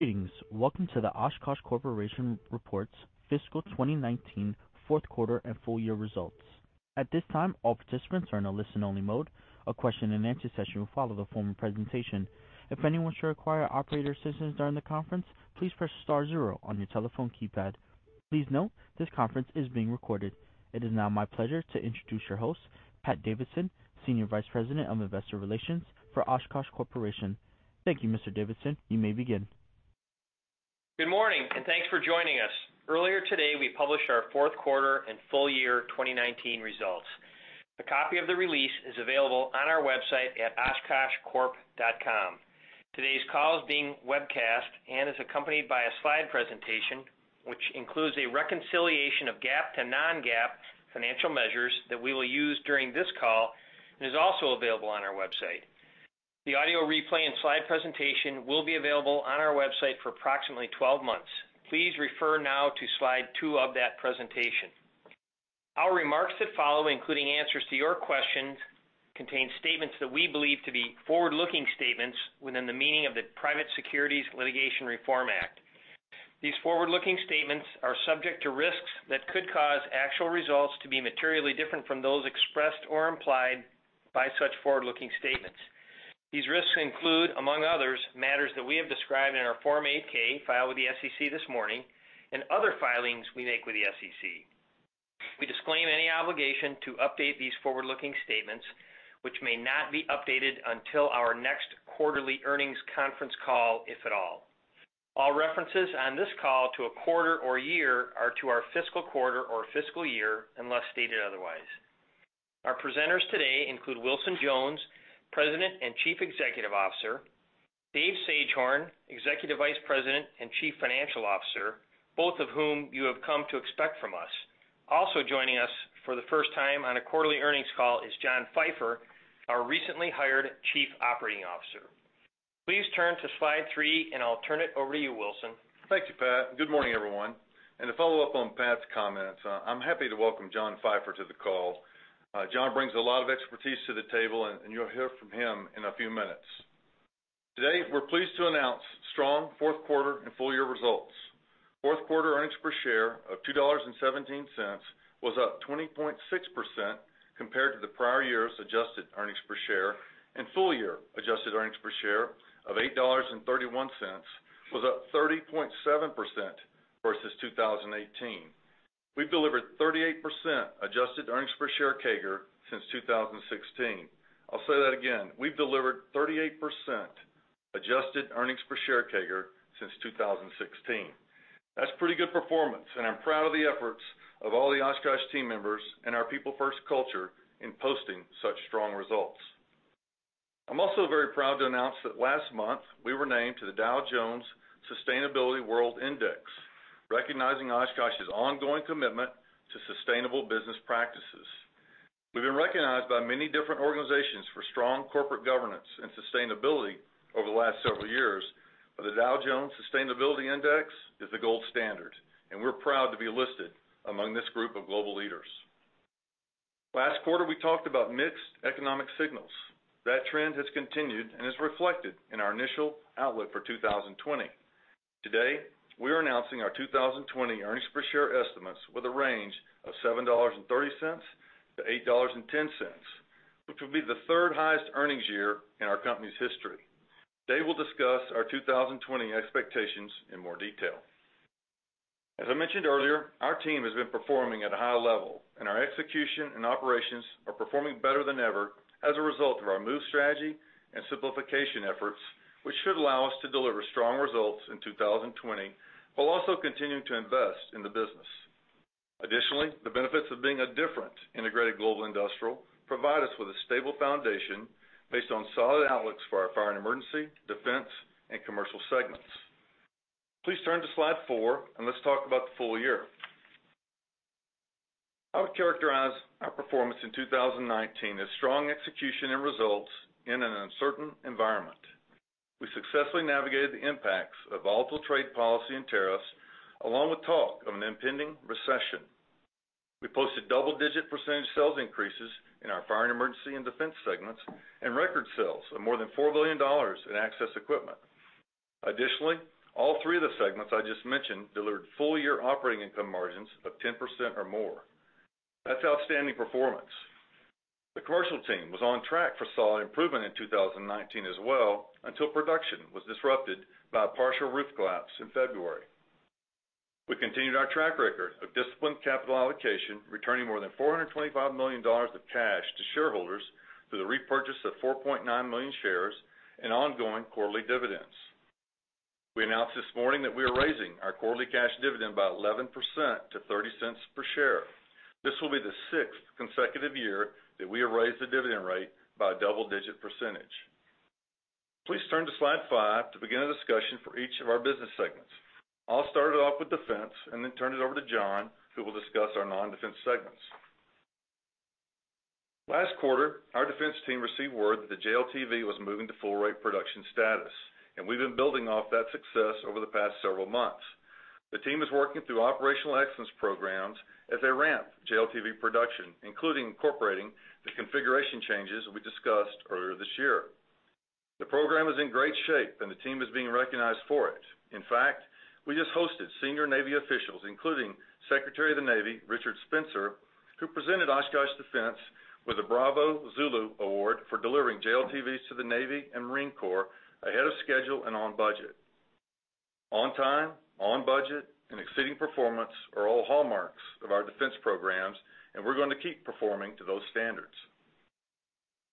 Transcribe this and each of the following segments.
Greetings. Welcome to the Oshkosh Corporation Reports Fiscal 2019 Fourth Quarter and Full Year Results. At this time, all participants are in a listen-only mode. A question and answer session will follow the formal presentation. If anyone should require operator assistance during the conference, please press star zero on your telephone keypad. Please note, this conference is being recorded. It is now my pleasure to introduce your host, Pat Davidson, Senior Vice President of Investor Relations for Oshkosh Corporation. Thank you, Mr. Davidson. You may begin. Good morning, and thanks for joining us. Earlier today, we published our fourth quarter and full year 2019 results. A copy of the release is available on our website at OshkoshCorp.com. Today's call is being webcast and is accompanied by a slide presentation, which includes a reconciliation of GAAP to non-GAAP financial measures that we will use during this call and is also available on our website. The audio replay and slide presentation will be available on our website for approximately 12 months. Please refer now to slide two of that presentation. Our remarks that follow, including answers to your questions, contain statements that we believe to be forward-looking statements within the meaning of the Private Securities Litigation Reform Act. These forward-looking statements are subject to risks that could cause actual results to be materially different from those expressed or implied by such forward-looking statements. These risks include, among others, matters that we have described in our Form 8-K filed with the SEC this morning and other filings we make with the SEC. We disclaim any obligation to update these forward-looking statements, which may not be updated until our next quarterly earnings conference call, if at all. All references on this call to a quarter or year are to our fiscal quarter or fiscal year, unless stated otherwise. Our presenters today include Wilson Jones, President and Chief Executive Officer, Dave Sagehorn, Executive Vice President and Chief Financial Officer, both of whom you have come to expect from us. Also joining us for the first time on a quarterly earnings call is John Pfeifer, our recently hired Chief Operating Officer. Please turn to slide three, and I'll turn it over to you, Wilson. Thank you, Pat. Good morning, everyone. To follow up on Pat's comments, I'm happy to welcome John Pfeifer to the call. John brings a lot of expertise to the table, and, and you'll hear from him in a few minutes. Today, we're pleased to announce strong fourth quarter and full year results. Fourth quarter earnings per share of $2.17 was up 20.6% compared to the prior year's adjusted earnings per share, and full year adjusted earnings per share of $8.31 was up 30.7% versus 2018. We've delivered 38% adjusted earnings per share CAGR since 2016. I'll say that again. We've delivered 38% adjusted earnings per share CAGR since 2016. That's pretty good performance, and I'm proud of the efforts of all the Oshkosh team members and our People First culture in posting such strong results. I'm also very proud to announce that last month, we were named to the Dow Jones Sustainability World Index, recognizing Oshkosh's ongoing commitment to sustainable business practices. We've been recognized by many different organizations for strong corporate governance and sustainability over the last several years, but the Dow Jones Sustainability Index is the gold standard, and we're proud to be listed among this group of global leaders. Last quarter, we talked about mixed economic signals. That trend has continued and is reflected in our initial outlook for 2020. Today, we are announcing our 2020 earnings per share estimates with a range of $7.30-$8.10, which will be the third highest earnings year in our company's history. Dave will discuss our 2020 expectations in more detail. As I mentioned earlier, our team has been performing at a high level, and our execution and operations are performing better than ever as a result of our MOVE strategy and simplification efforts, which should allow us to deliver strong results in 2020, while also continuing to invest in the business. Additionally, the benefits of being a different integrated global industrial provide us with a stable foundation based on solid outlooks for our Fire and Emergency, Defense, and Commercial segments. Please turn to slide four, and let's talk about the full year. I would characterize our performance in 2019 as strong execution and results in an uncertain environment. We successfully navigated the impacts of volatile trade policy and tariffs, along with talk of an impending recession. We posted double-digit % sales increases in our Fire and Emergency and Defense segments, and record sales of more than $4 billion in Access Equipment. Additionally, all three of the segments I just mentioned delivered full-year operating income margins of 10% or more. That's outstanding performance. The Commercial team was on track for solid improvement in 2019 as well, until production was disrupted by a partial roof collapse in February. We continued our track record of disciplined capital allocation, returning more than $425 million of cash to shareholders through the repurchase of 4.9 million shares and ongoing quarterly dividends. We announced this morning that we are raising our quarterly cash dividend by 11% to $0.30 per share. This will be the sixth consecutive year that we have raised the dividend rate by a double-digit percentage. Please turn to slide five to begin a discussion for each of our business segments. I'll start it off with Defense and then turn it over to John, who will discuss our non-defense segments. Last quarter, our Defense team received word that the JLTV was moving to full rate production status, and we've been building off that success over the past several months. The team is working through operational excellence programs as they ramp JLTV production, including incorporating the configuration changes we discussed earlier this year. The program is in great shape, and the team is being recognized for it. In fact, we just hosted senior Navy officials, including Secretary of the Navy, Richard Spencer, who presented Oshkosh Defense with a Bravo Zulu Award for delivering JLTVs to the Navy and Marine Corps ahead of schedule and on budget. On time, on budget, and exceeding performance are all hallmarks of our Defense programs, and we're going to keep performing to those standards.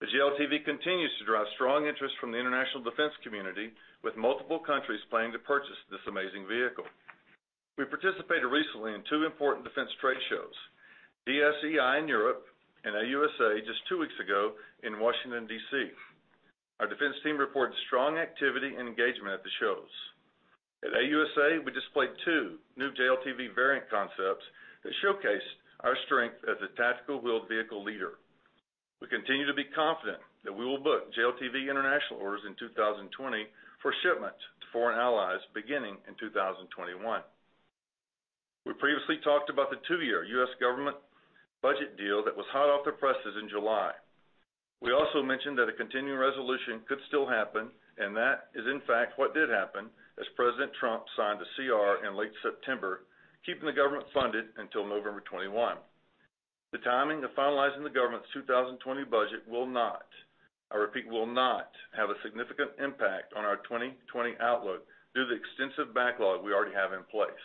The JLTV continues to drive strong interest from the international Defense community, with multiple countries planning to purchase this amazing vehicle. We participated recently in two important defense trade shows, DSEI in Europe and AUSA just two weeks ago in Washington, D.C. Our Defense team reports strong activity and engagement at the shows. At AUSA, we displayed two new JLTV variant concepts that showcased our strength as a tactical wheeled vehicle leader. We continue to be confident that we will book JLTV international orders in 2020 for shipment to foreign allies beginning in 2021. We previously talked about the two-year U.S. government budget deal that was hot off the presses in July. We also mentioned that a continuing resolution could still happen, and that is, in fact, what did happen, as President Trump signed a CR in late September, keeping the government funded until November 21. The timing of finalizing the government's 2020 budget will not, I repeat, will not have a significant impact on our 2020 outlook due to the extensive backlog we already have in place.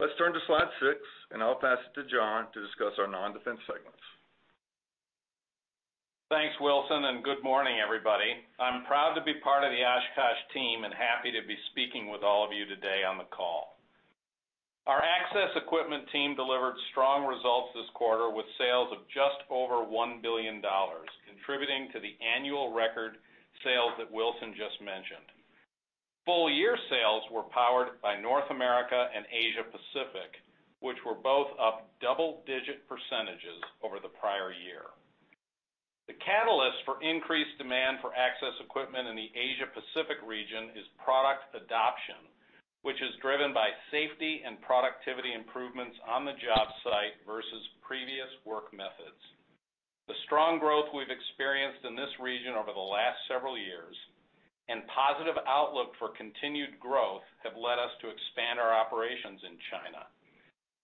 Let's turn to slide six, and I'll pass it to John to discuss our non-defense segments. Thanks, Wilson, and good morning, everybody. I'm proud to be part of the Oshkosh team and happy to be speaking with all of you today on the call. Our Access Equipment team delivered strong results this quarter with sales of just over $1 billion, contributing to the annual record sales that Wilson just mentioned. Full-year sales were powered by North America and Asia Pacific, which were both up double-digit percentages over the prior year. The catalyst for increased demand for Access Equipment in the Asia Pacific region is product adoption, which is driven by safety and productivity improvements on the job site versus previous work methods. The strong growth we've experienced in this region over the last several years and positive outlook for continued growth have led us to expand our operations in China.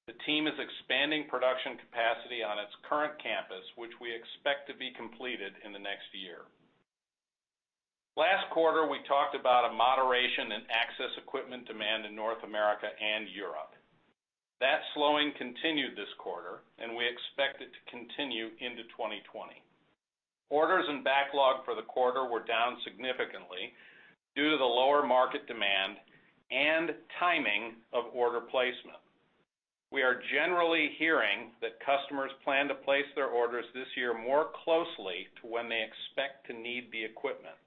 The team is expanding production capacity on its current campus, which we expect to be completed in the next year. Last quarter, we talked about a moderation in Access Equipment demand in North America and Europe. That slowing continued this quarter, and we expect it to continue into 2020. Orders and backlog for the quarter were down significantly due to the lower market demand and timing of order placement. We are generally hearing that customers plan to place their orders this year more closely to when they expect to need the equipment.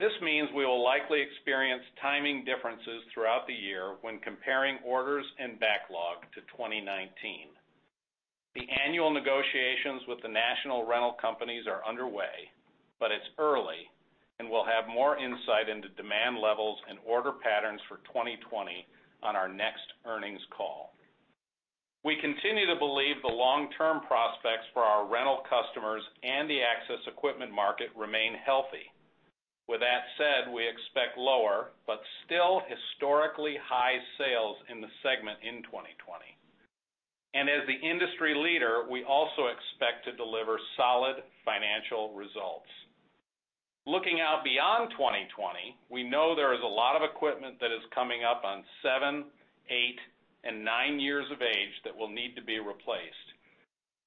This means we will likely experience timing differences throughout the year when comparing orders and backlog to 2019. The annual negotiations with the national rental companies are underway, but it's early, and we'll have more insight into demand levels and order patterns for 2020 on our next earnings call. We continue to believe the long-term prospects for our rental customers and the Access Equipment market remain healthy. With that said, we expect lower but still historically high sales in the segment in 2020. As the industry leader, we also expect to deliver solid financial results. Looking out beyond 2020, we know there is a lot of equipment that is coming up on seven, eight, and nine years of age that will need to be replaced.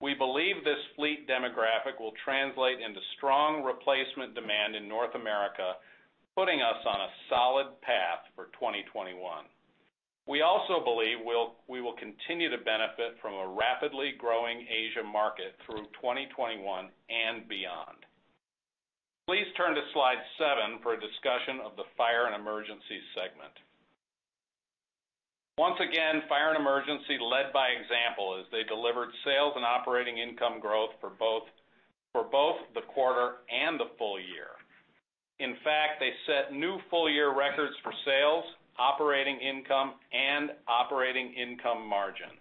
We believe this fleet demographic will translate into strong replacement demand in North America, putting us on a solid path for 2021. We also believe we will continue to benefit from a rapidly growing Asia market through 2021 and beyond. Please turn to slide seven for a discussion of the Fire and Emergency segment. Once again, Fire and Emergency led by example as they delivered sales and operating income growth for both the quarter and the full year. In fact, they set new full-year records for sales, operating income, and operating income margin.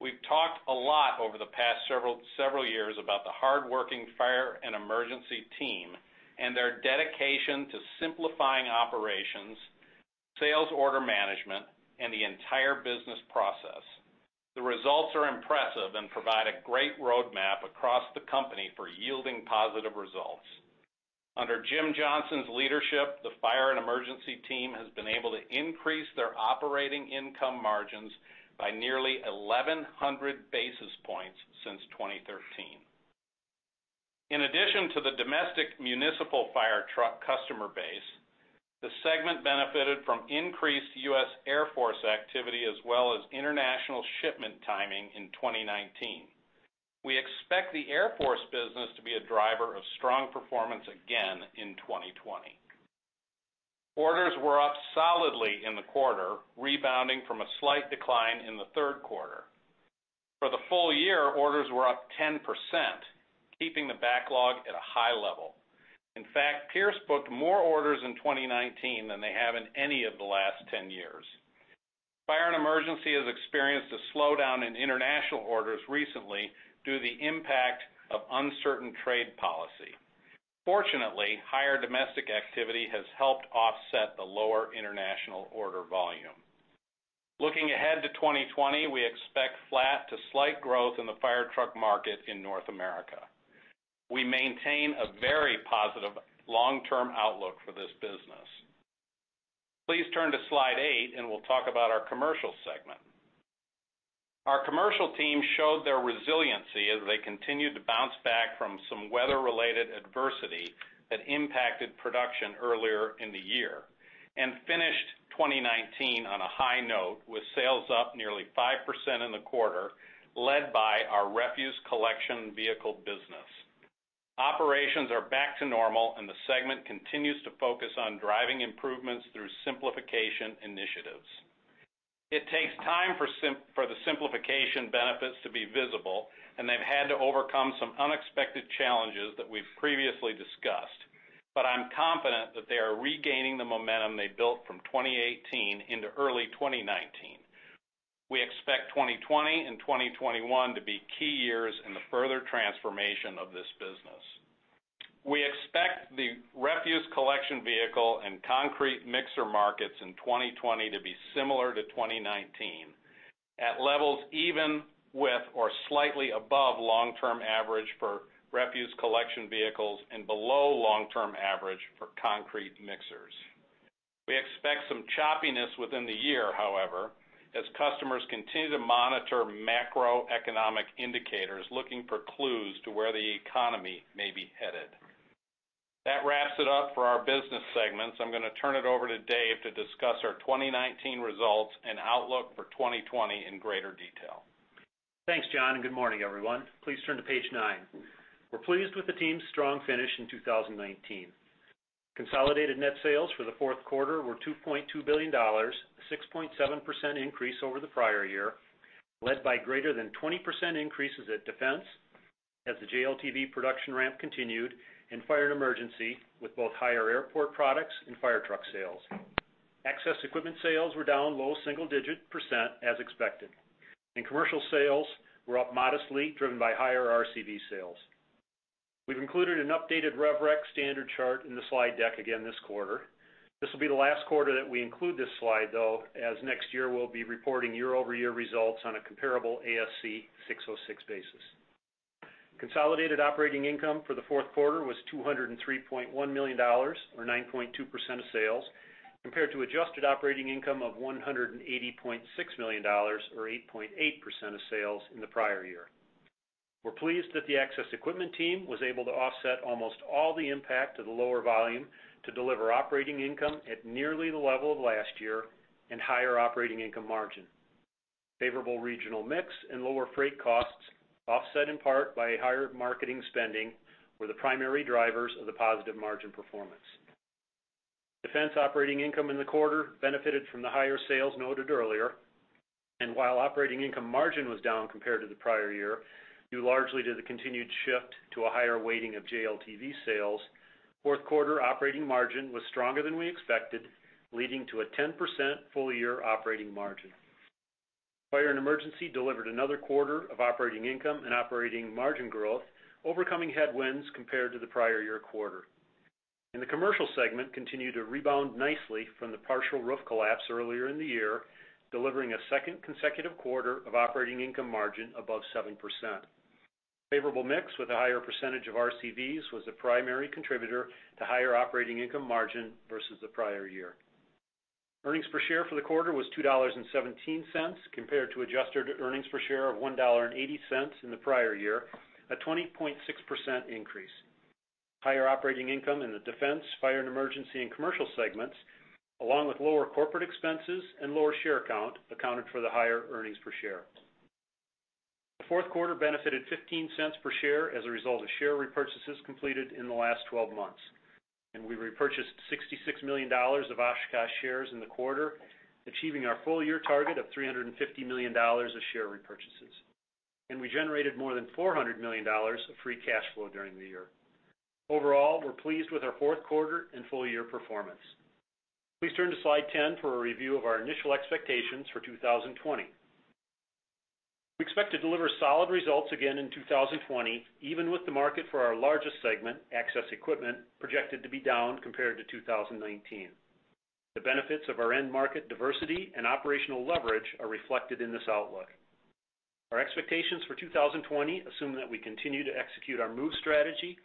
We've talked a lot over the past several years about the hardworking Fire and Emergency team and their dedication to simplifying operations, sales order management, and the entire business process. The results are impressive and provide a great roadmap across the company for yielding positive results. Under Jim Johnson's leadership, the Fire and Emergency team has been able to increase their operating income margins by nearly 1,100 basis points since 2013. In addition to the domestic municipal fire truck customer base, the segment benefited from increased U.S. Air Force activity, as well as international shipment timing in 2019. We expect the Air Force business to be a driver of strong performance again in 2020. Orders were up solidly in the quarter, rebounding from a slight decline in the third quarter.... The full year, orders were up 10%, keeping the backlog at a high level. In fact, Pierce booked more orders in 2019 than they have in any of the last 10 years. Fire and Emergency has experienced a slowdown in international orders recently due to the impact of uncertain trade policy. Fortunately, higher domestic activity has helped offset the lower international order volume. Looking ahead to 2020, we expect flat to slight growth in the fire truck market in North America. We maintain a very positive long-term outlook for this business. Please turn to slide eight, and we'll talk about our Commercial segment. Our Commercial team showed their resiliency as they continued to bounce back from some weather-related adversity that impacted production earlier in the year, and finished 2019 on a high note, with sales up nearly 5% in the quarter, led by our refuse collection vehicle business. Operations are back to normal, and the segment continues to focus on driving improvements through simplification initiatives. It takes time for the simplification benefits to be visible, and they've had to overcome some unexpected challenges that we've previously discussed, but I'm confident that they are regaining the momentum they built from 2018 into early 2019. We expect 2020 and 2021 to be key years in the further transformation of this business. We expect the refuse collection vehicle and concrete mixer markets in 2020 to be similar to 2019, at levels even with or slightly above long-term average for refuse collection vehicles and below long-term average for concrete mixers. We expect some choppiness within the year, however, as customers continue to monitor macroeconomic indicators, looking for clues to where the economy may be headed. That wraps it up for our business segments. I'm gonna turn it over to Dave to discuss our 2019 results and outlook for 2020 in greater detail. Thanks, John, and good morning, everyone. Please turn to page nine. We're pleased with the team's strong finish in 2019. Consolidated net sales for the fourth quarter were $2.2 billion, a 6.7% increase over the prior year, led by greater than 20% increases at Defense, as the JLTV production ramp continued, and Fire and Emergency, with both higher airport products and fire truck sales. Access Equipment sales were down low single-digit % as expected, and Commercial sales were up modestly, driven by higher RCV sales. We've included an updated rev rec standard chart in the slide deck again this quarter. This will be the last quarter that we include this slide, though, as next year, we'll be reporting year-over-year results on a comparable ASC 606 basis. Consolidated operating income for the fourth quarter was $203.1 million, or 9.2% of sales, compared to adjusted operating income of $180.6 million, or 8.8% of sales in the prior year. We're pleased that the Access Equipment team was able to offset almost all the impact of the lower volume to deliver operating income at nearly the level of last year and higher operating income margin. Favorable regional mix and lower freight costs, offset in part by higher marketing spending, were the primary drivers of the positive margin performance. Defense operating income in the quarter benefited from the higher sales noted earlier, and while operating income margin was down compared to the prior year, due largely to the continued shift to a higher weighting of JLTV sales, fourth quarter operating margin was stronger than we expected, leading to a 10% full-year operating margin. Fire and Emergency delivered another quarter of operating income and operating margin growth, overcoming headwinds compared to the prior year quarter. The Commercial segment continued to rebound nicely from the partial roof collapse earlier in the year, delivering a second consecutive quarter of operating income margin above 7%. Favorable mix with a higher percentage of RCVs was the primary contributor to higher operating income margin versus the prior year. Earnings per share for the quarter was $2.17, compared to adjusted earnings per share of $1.80 in the prior year, a 20.6% increase. Higher operating income in the Defense, Fire and Emergency, and Commercial segments, along with lower corporate expenses and lower share count, accounted for the higher earnings per share. The fourth quarter benefited $0.15 per share as a result of share repurchases completed in the last twelve months, and we repurchased $66 million of Oshkosh shares in the quarter, achieving our full-year target of $350 million of share repurchases. We generated more than $400 million of free cash flow during the year. Overall, we're pleased with our fourth quarter and full-year performance. Please turn to slide 10 for a review of our initial expectations for 2020. We expect to deliver solid results again in 2020, even with the market for our largest segment, Access Equipment, projected to be down compared to 2019. The benefits of our end market diversity and operational leverage are reflected in this outlook. Our expectations for 2020 assume that we continue to execute our MOVE strategy,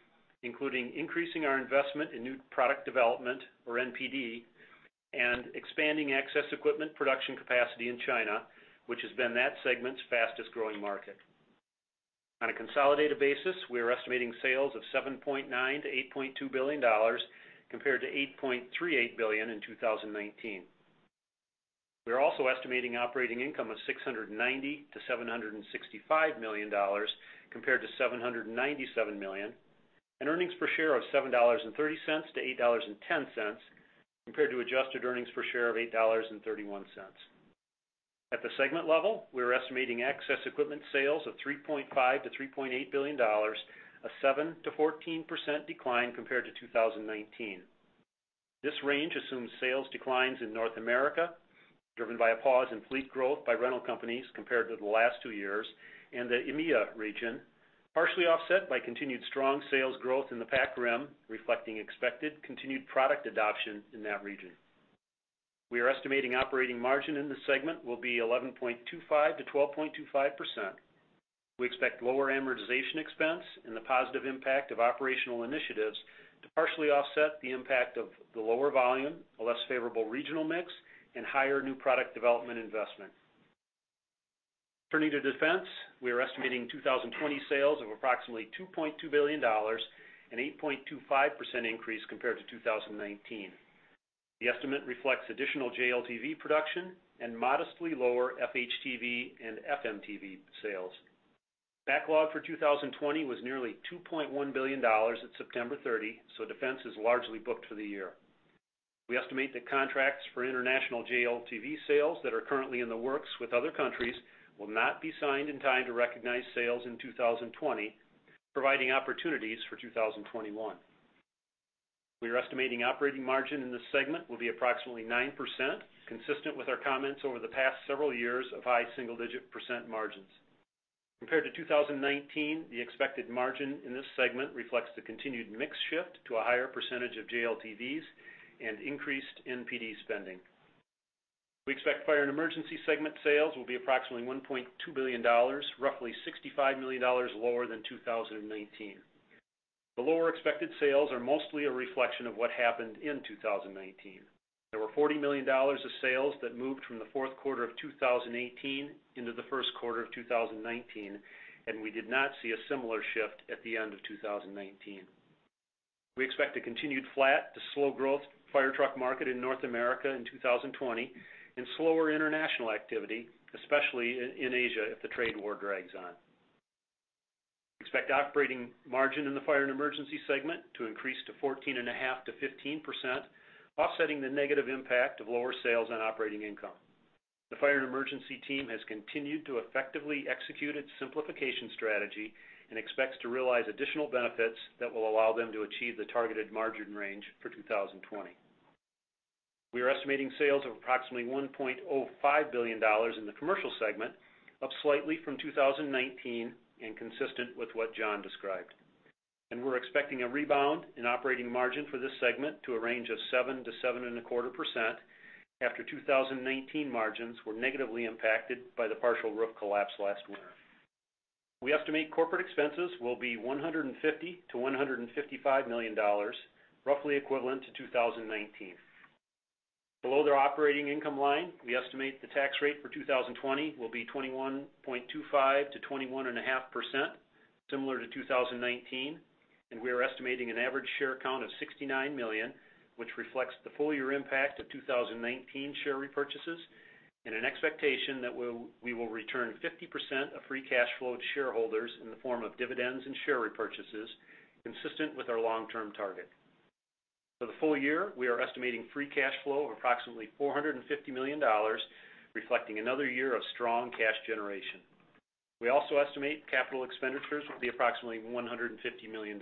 including increasing our investment in new product development, or NPD, and expanding Access Equipment production capacity in China, which has been that segment's fastest-growing market. On a consolidated basis, we are estimating sales of $7.9 billion-$8.2 billion, compared to $8.38 billion in 2019. We're also estimating operating income of $690 million-$765 million, compared to $797 million... and earnings per share of $7.30-$8.10, compared to adjusted earnings per share of $8.31. At the segment level, we are estimating Access Equipment sales of $3.5 billion-$3.8 billion, a 7%-14% decline compared to 2019. This range assumes sales declines in North America, driven by a pause in fleet growth by rental companies compared to the last two years, and the EMEA region, partially offset by continued strong sales growth in the Pac Rim, reflecting expected continued product adoption in that region. We are estimating operating margin in this segment will be 11.25%-12.25%. We expect lower amortization expense and the positive impact of operational initiatives to partially offset the impact of the lower volume, a less favorable regional mix, and higher new product development investment. Turning to Defense, we are estimating 2020 sales of approximately $2.2 billion, an 8.25% increase compared to 2019. The estimate reflects additional JLTV production and modestly lower FHTV and FMTV sales. Backlog for 2020 was nearly $2.1 billion at September 30, so Defense is largely booked for the year. We estimate that contracts for international JLTV sales that are currently in the works with other countries will not be signed in time to recognize sales in 2020, providing opportunities for 2021. We are estimating operating margin in this segment will be approximately 9%, consistent with our comments over the past several years of high single-digit % margins. Compared to 2019, the expected margin in this segment reflects the continued mix shift to a higher percentage of JLTVs and increased NPD spending. We expect Fire and Emergency segment sales will be approximately $1.2 billion, roughly $65 million lower than 2019. The lower expected sales are mostly a reflection of what happened in 2019. There were $40 million of sales that moved from the fourth quarter of 2018 into the first quarter of 2019, and we did not see a similar shift at the end of 2019. We expect a continued flat to slow growth fire truck market in North America in 2020, and slower international activity, especially in Asia, if the trade war drags on. We expect operating margin in the Fire and Emergency segment to increase to 14.5%-15%, offsetting the negative impact of lower sales on operating income. The Fire and Emergency team has continued to effectively execute its simplification strategy and expects to realize additional benefits that will allow them to achieve the targeted margin range for 2020. We are estimating sales of approximately $1.05 billion in the Commercial segment, up slightly from 2019 and consistent with what John described. We're expecting a rebound in operating margin for this segment to a range of 7%-7.25%, after 2019 margins were negatively impacted by the partial roof collapse last winter. We estimate corporate expenses will be $150 million-$155 million, roughly equivalent to 2019. Below their operating income line, we estimate the tax rate for 2020 will be 21.25%-21.5%, similar to 2019, and we are estimating an average share count of 69 million, which reflects the full year impact of 2019 share repurchases and an expectation that we'll, we will return 50% of free cash flow to shareholders in the form of dividends and share repurchases, consistent with our long-term target. For the full year, we are estimating free cash flow of approximately $450 million, reflecting another year of strong cash generation. We also estimate capital expenditures will be approximately $150 million.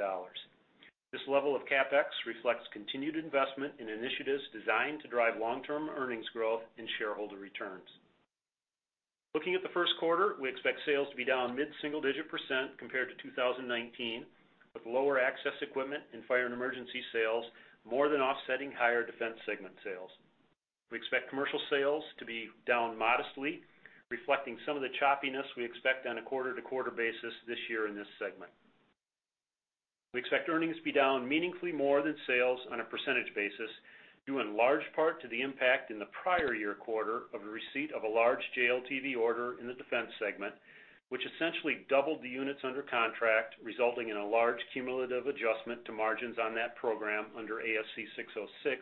This level of CapEx reflects continued investment in initiatives designed to drive long-term earnings growth and shareholder returns. Looking at the first quarter, we expect sales to be down mid-single-digit% compared to 2019, with lower Access Equipment and Fire and Emergency sales more than offsetting higher Defense segment sales. We expect Commercial sales to be down modestly, reflecting some of the choppiness we expect on a quarter-to-quarter basis this year in this segment. We expect earnings to be down meaningfully more than sales on a percentage basis, due in large part to the impact in the prior year quarter of the receipt of a large JLTV order in the Defense segment, which essentially doubled the units under contract, resulting in a large cumulative adjustment to margins on that program under ASC 606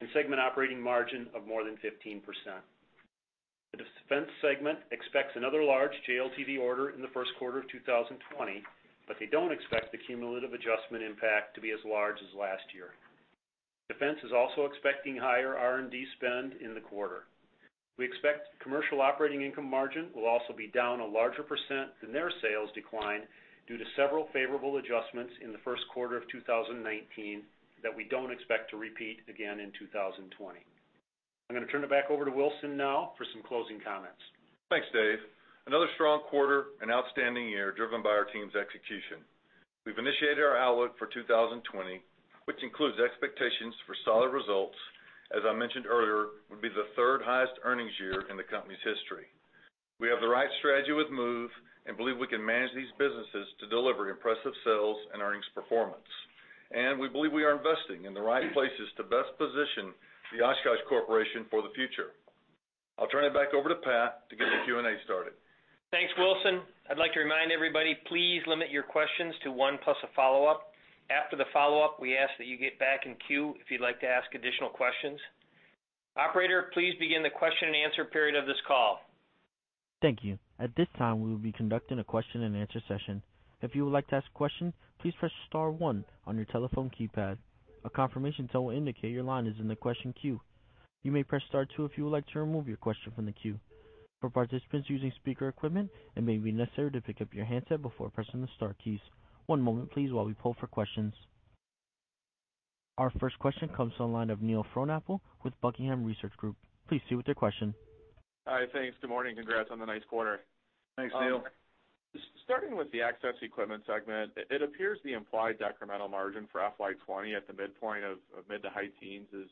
and segment operating margin of more than 15%. The Defense segment expects another large JLTV order in the first quarter of 2020, but they don't expect the cumulative adjustment impact to be as large as last year. Defense is also expecting higher R&D spend in the quarter. We expect Commercial operating income margin will also be down a larger % than their sales decline due to several favorable adjustments in the first quarter of 2019 that we don't expect to repeat again in 2020. I'm going to turn it back over to Wilson now for some closing comments. Thanks, Dave. Another strong quarter and outstanding year driven by our team's execution. We've initiated our outlook for 2020, which includes expectations for solid results, as I mentioned earlier, would be the third highest earnings year in the company's history. We have the right strategy with MOVE and believe we can manage these businesses to deliver impressive sales and earnings performance. We believe we are investing in the right places to best position the Oshkosh Corporation for the future. I'll turn it back over to Pat to get the Q&A started. Thanks, Wilson. I'd like to remind everybody, please limit your questions to one plus a follow-up. After the follow-up, we ask that you get back in queue if you'd like to ask additional questions. Operator, please begin the question-and-answer period of this call.... Thank you. At this time, we will be conducting a question and answer session. If you would like to ask a question, please press star one on your telephone keypad. A confirmation tone will indicate your line is in the question queue. You may press star two if you would like to remove your question from the queue. For participants using speaker equipment, it may be necessary to pick up your handset before pressing the star keys. One moment please, while we pull for questions. Our first question comes on the line of Neil Frohnapple with Buckingham Research Group. Please proceed with your question. Hi. Thanks. Good morning. Congrats on the nice quarter. Thanks, Neil. Starting with the Access Equipment segment, it appears the implied decremental margin for FY 2020 at the midpoint of mid- to high teens is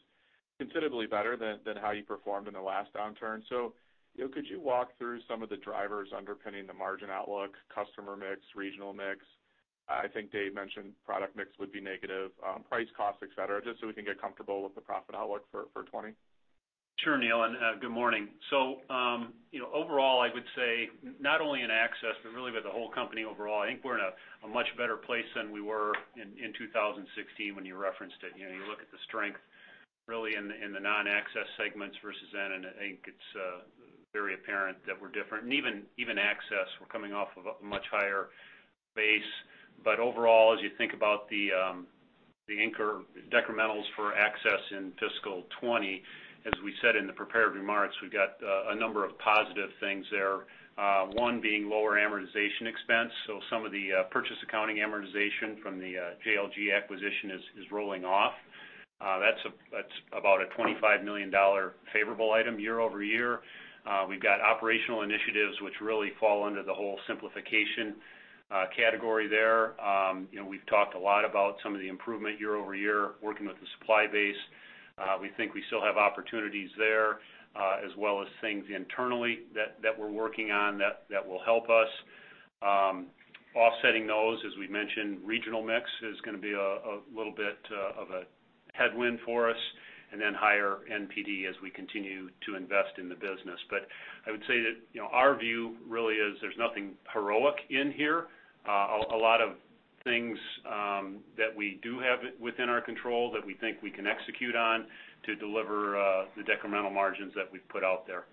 considerably better than how you performed in the last downturn. So, you know, could you walk through some of the drivers underpinning the margin outlook, customer mix, regional mix? I think Dave mentioned product mix would be negative, price, cost, et cetera, just so we can get comfortable with the profit outlook for 2020. Sure, Neil, and good morning. So, you know, overall, I would say not only in Access, but really with the whole company overall, I think we're in a much better place than we were in 2016 when you referenced it. You know, you look at the strength really in the non-access segments versus then, and I think it's very apparent that we're different. And even Access, we're coming off of a much higher base. But overall, as you think about the anchor decrementals for Access in fiscal 2020, as we said in the prepared remarks, we've got a number of positive things there. One being lower amortization expense. So some of the purchase accounting amortization from the JLG acquisition is rolling off. That's about a $25 million favorable item year-over-year. We've got operational initiatives which really fall under the whole simplification category there. You know, we've talked a lot about some of the improvement year-over-year, working with the supply base. We think we still have opportunities there, as well as things internally that we're working on that will help us. Offsetting those, as we mentioned, regional mix is gonna be a little bit of a headwind for us, and then higher NPD as we continue to invest in the business. But I would say that, you know, our view really is there's nothing heroic in here. A lot of things that we do have it within our control that we think we can execute on to deliver the decremental margins that we've put out there.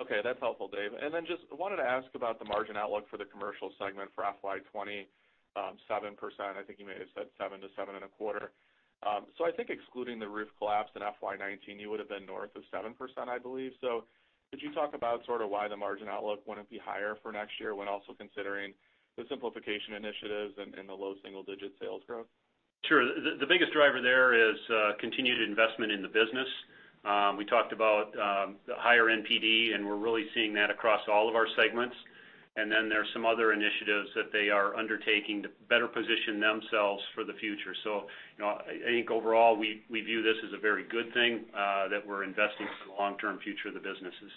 Okay, that's helpful, Dave. And then just, I wanted to ask about the margin outlook for the Commercial segment for FY 2020. Seven percent, I think you may have said 7%-7.25%. So I think excluding the roof collapse in FY 2019, you would have been north of 7%, I believe. So could you talk about sort of why the margin outlook wouldn't be higher for next year when also considering the simplification initiatives and, and the low single-digit sales growth? Sure. The biggest driver there is continued investment in the business. We talked about the higher NPD, and we're really seeing that across all of our segments. Then there are some other initiatives that they are undertaking to better position themselves for the future. So, you know, I think overall, we view this as a very good thing that we're investing for the long-term future of the businesses.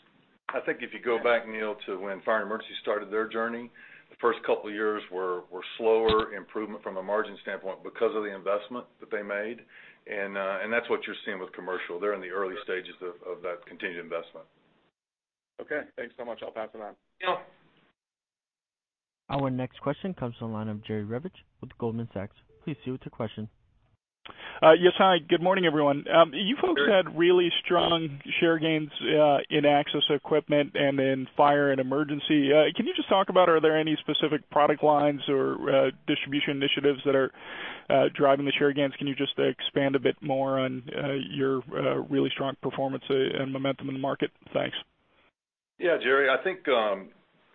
I think if you go back, Neil, to when Fire and Emergency started their journey, the first couple of years were slower improvement from a margin standpoint because of the investment that they made. And, and that's what you're seeing with Commercial. They're in the early stages of that continued investment. Okay. Thanks so much. I'll pass it on. Neil? Our next question comes from the line of Jerry Revich with Goldman Sachs. Please proceed with your question. Yes, hi, good morning, everyone. Jerry. - had really strong share gains in Access Equipment and in Fire and Emergency. Can you just talk about, are there any specific product lines or distribution initiatives that are driving the share gains? Can you just expand a bit more on your really strong performance and momentum in the market? Thanks. Yeah, Jerry. I think,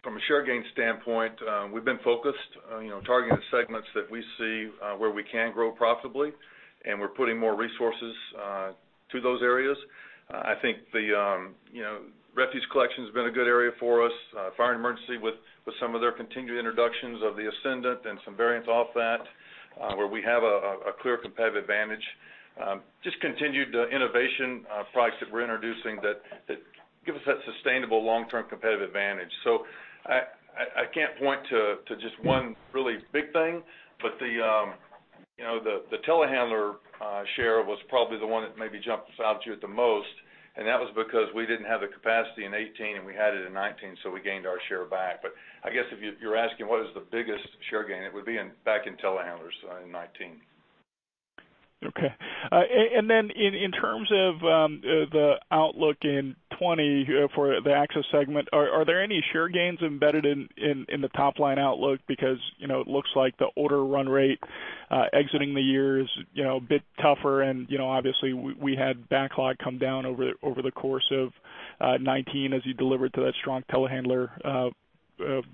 from a share gain standpoint, we've been focused, you know, targeting the segments that we see, where we can grow profitably, and we're putting more resources, to those areas. I think the, you know, refuse collection has been a good area for us, Fire and Emergency with, with some of their continued introductions of the Ascendant and some variants off that, where we have a, a clear competitive advantage. Just continued, innovation, products that we're introducing that, that give us that sustainable long-term competitive advantage. I can't point to just one really big thing, but the, you know, the telehandler share was probably the one that maybe jumps out at you the most, and that was because we didn't have the capacity in 2018, and we had it in 2019, so we gained our share back. But I guess if you're asking what is the biggest share gain, it would be back in telehandlers in 2019. Okay. And then in terms of the outlook in 2020 for the Access segment, are there any share gains embedded in the top line outlook? Because, you know, it looks like the order run rate exiting the year is, you know, a bit tougher and, you know, obviously, we had backlog come down over the course of 2019 as you delivered to that strong telehandler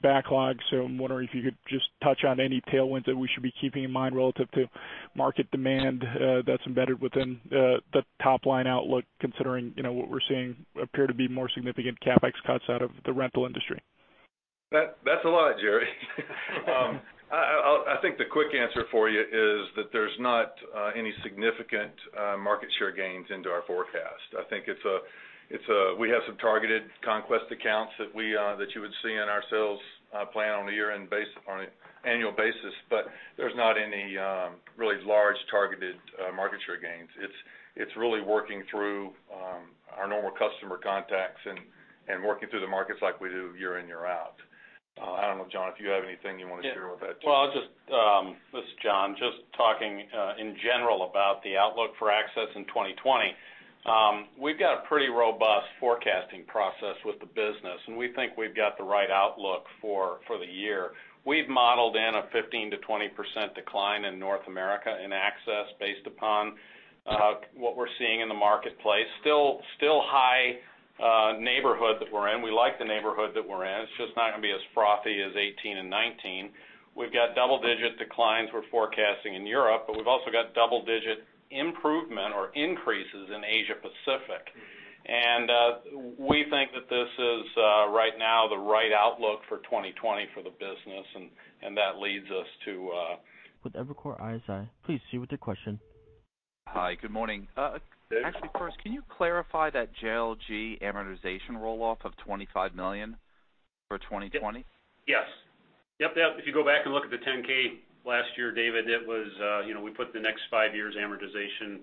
backlog. So I'm wondering if you could just touch on any tailwinds that we should be keeping in mind relative to market demand that's embedded within the top line outlook, considering, you know, what we're seeing appear to be more significant CapEx cuts out of the rental industry. That, that's a lot, Jerry. I think the quick answer for you is that there's not any significant market share gains into our forecast. I think it's a we have some targeted conquest accounts that we that you would see in our sales plan on a year-end basis, on an annual basis, but there's not any really large targeted market share gains. It's really working through our normal customer contacts and working through the markets like we do year in, year out. I don't know, John, if you have anything you want to share with that? Yeah. Well, I'll just—this is John, just talking in general about the outlook for Access in 2020. We've got a pretty robust forecasting process with the business, and we think we've got the right outlook for the year. We've modeled in a 15%-20% decline in North America in Access, based upon what we're seeing in the marketplace. Still, still high neighborhood that we're in. We like the neighborhood that we're in. It's just not going to be as frothy as 2018 and 2019. We've got double-digit declines we're forecasting in Europe, but we've also got double-digit improvement or increases in Asia Pacific. And we think that this is right now, the right outlook for 2020 for the business, and that leads us to— With Evercore ISI. Please proceed with your question. Hi, good morning. David. Actually, first, can you clarify that JLG amortization roll-off of $25 million for 2020? Yes. Yep, yep. If you go back and look at the 10-K last year, David, it was, you know, we put the next five years' amortization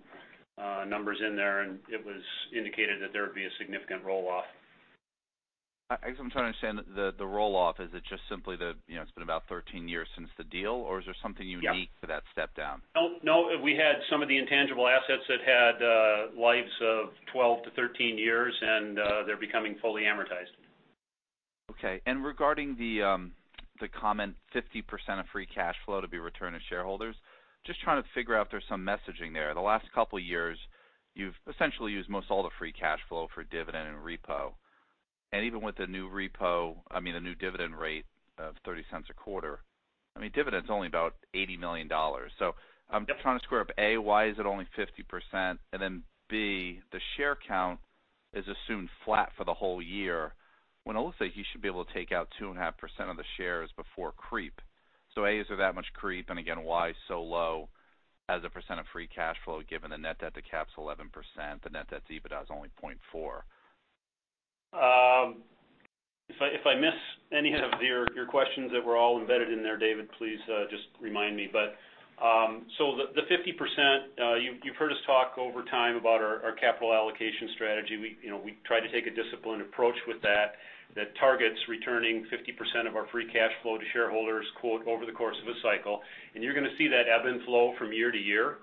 numbers in there, and it was indicated that there would be a significant roll-off. I guess I'm trying to understand the roll-off. Is it just simply that, you know, it's been about 13 years since the deal, or is there something- Yeah... unique to that step down? No, no, we had some of the intangible assets that had lives of 12-13 years, and they're becoming fully amortized. Okay. And regarding the comment, 50% of free cash flow to be returned to shareholders, just trying to figure out if there's some messaging there. The last couple of years, you've essentially used most all the free cash flow for dividend and repo. And even with the new repo, I mean, the new dividend rate of $0.30 a quarter, I mean, dividend's only about $80 million. So I'm just trying to square up, A, why is it only 50%? And then, B, the share count is assumed flat for the whole year, when it looks like you should be able to take out 2.5% of the shares before creep. So, A, is there that much creep? And again, why so low as a percent of free cash flow, given the net debt to cap is 11%, the net debt to EBITDA is only 0.4. If I miss any of your questions that were all embedded in there, David, please, just remind me. You've heard us talk over time about our capital allocation strategy. You know, we try to take a disciplined approach with that that targets returning 50% of our free cash flow to shareholders, quote, over the course of a cycle. You're going to see that ebb and flow from year-to-year.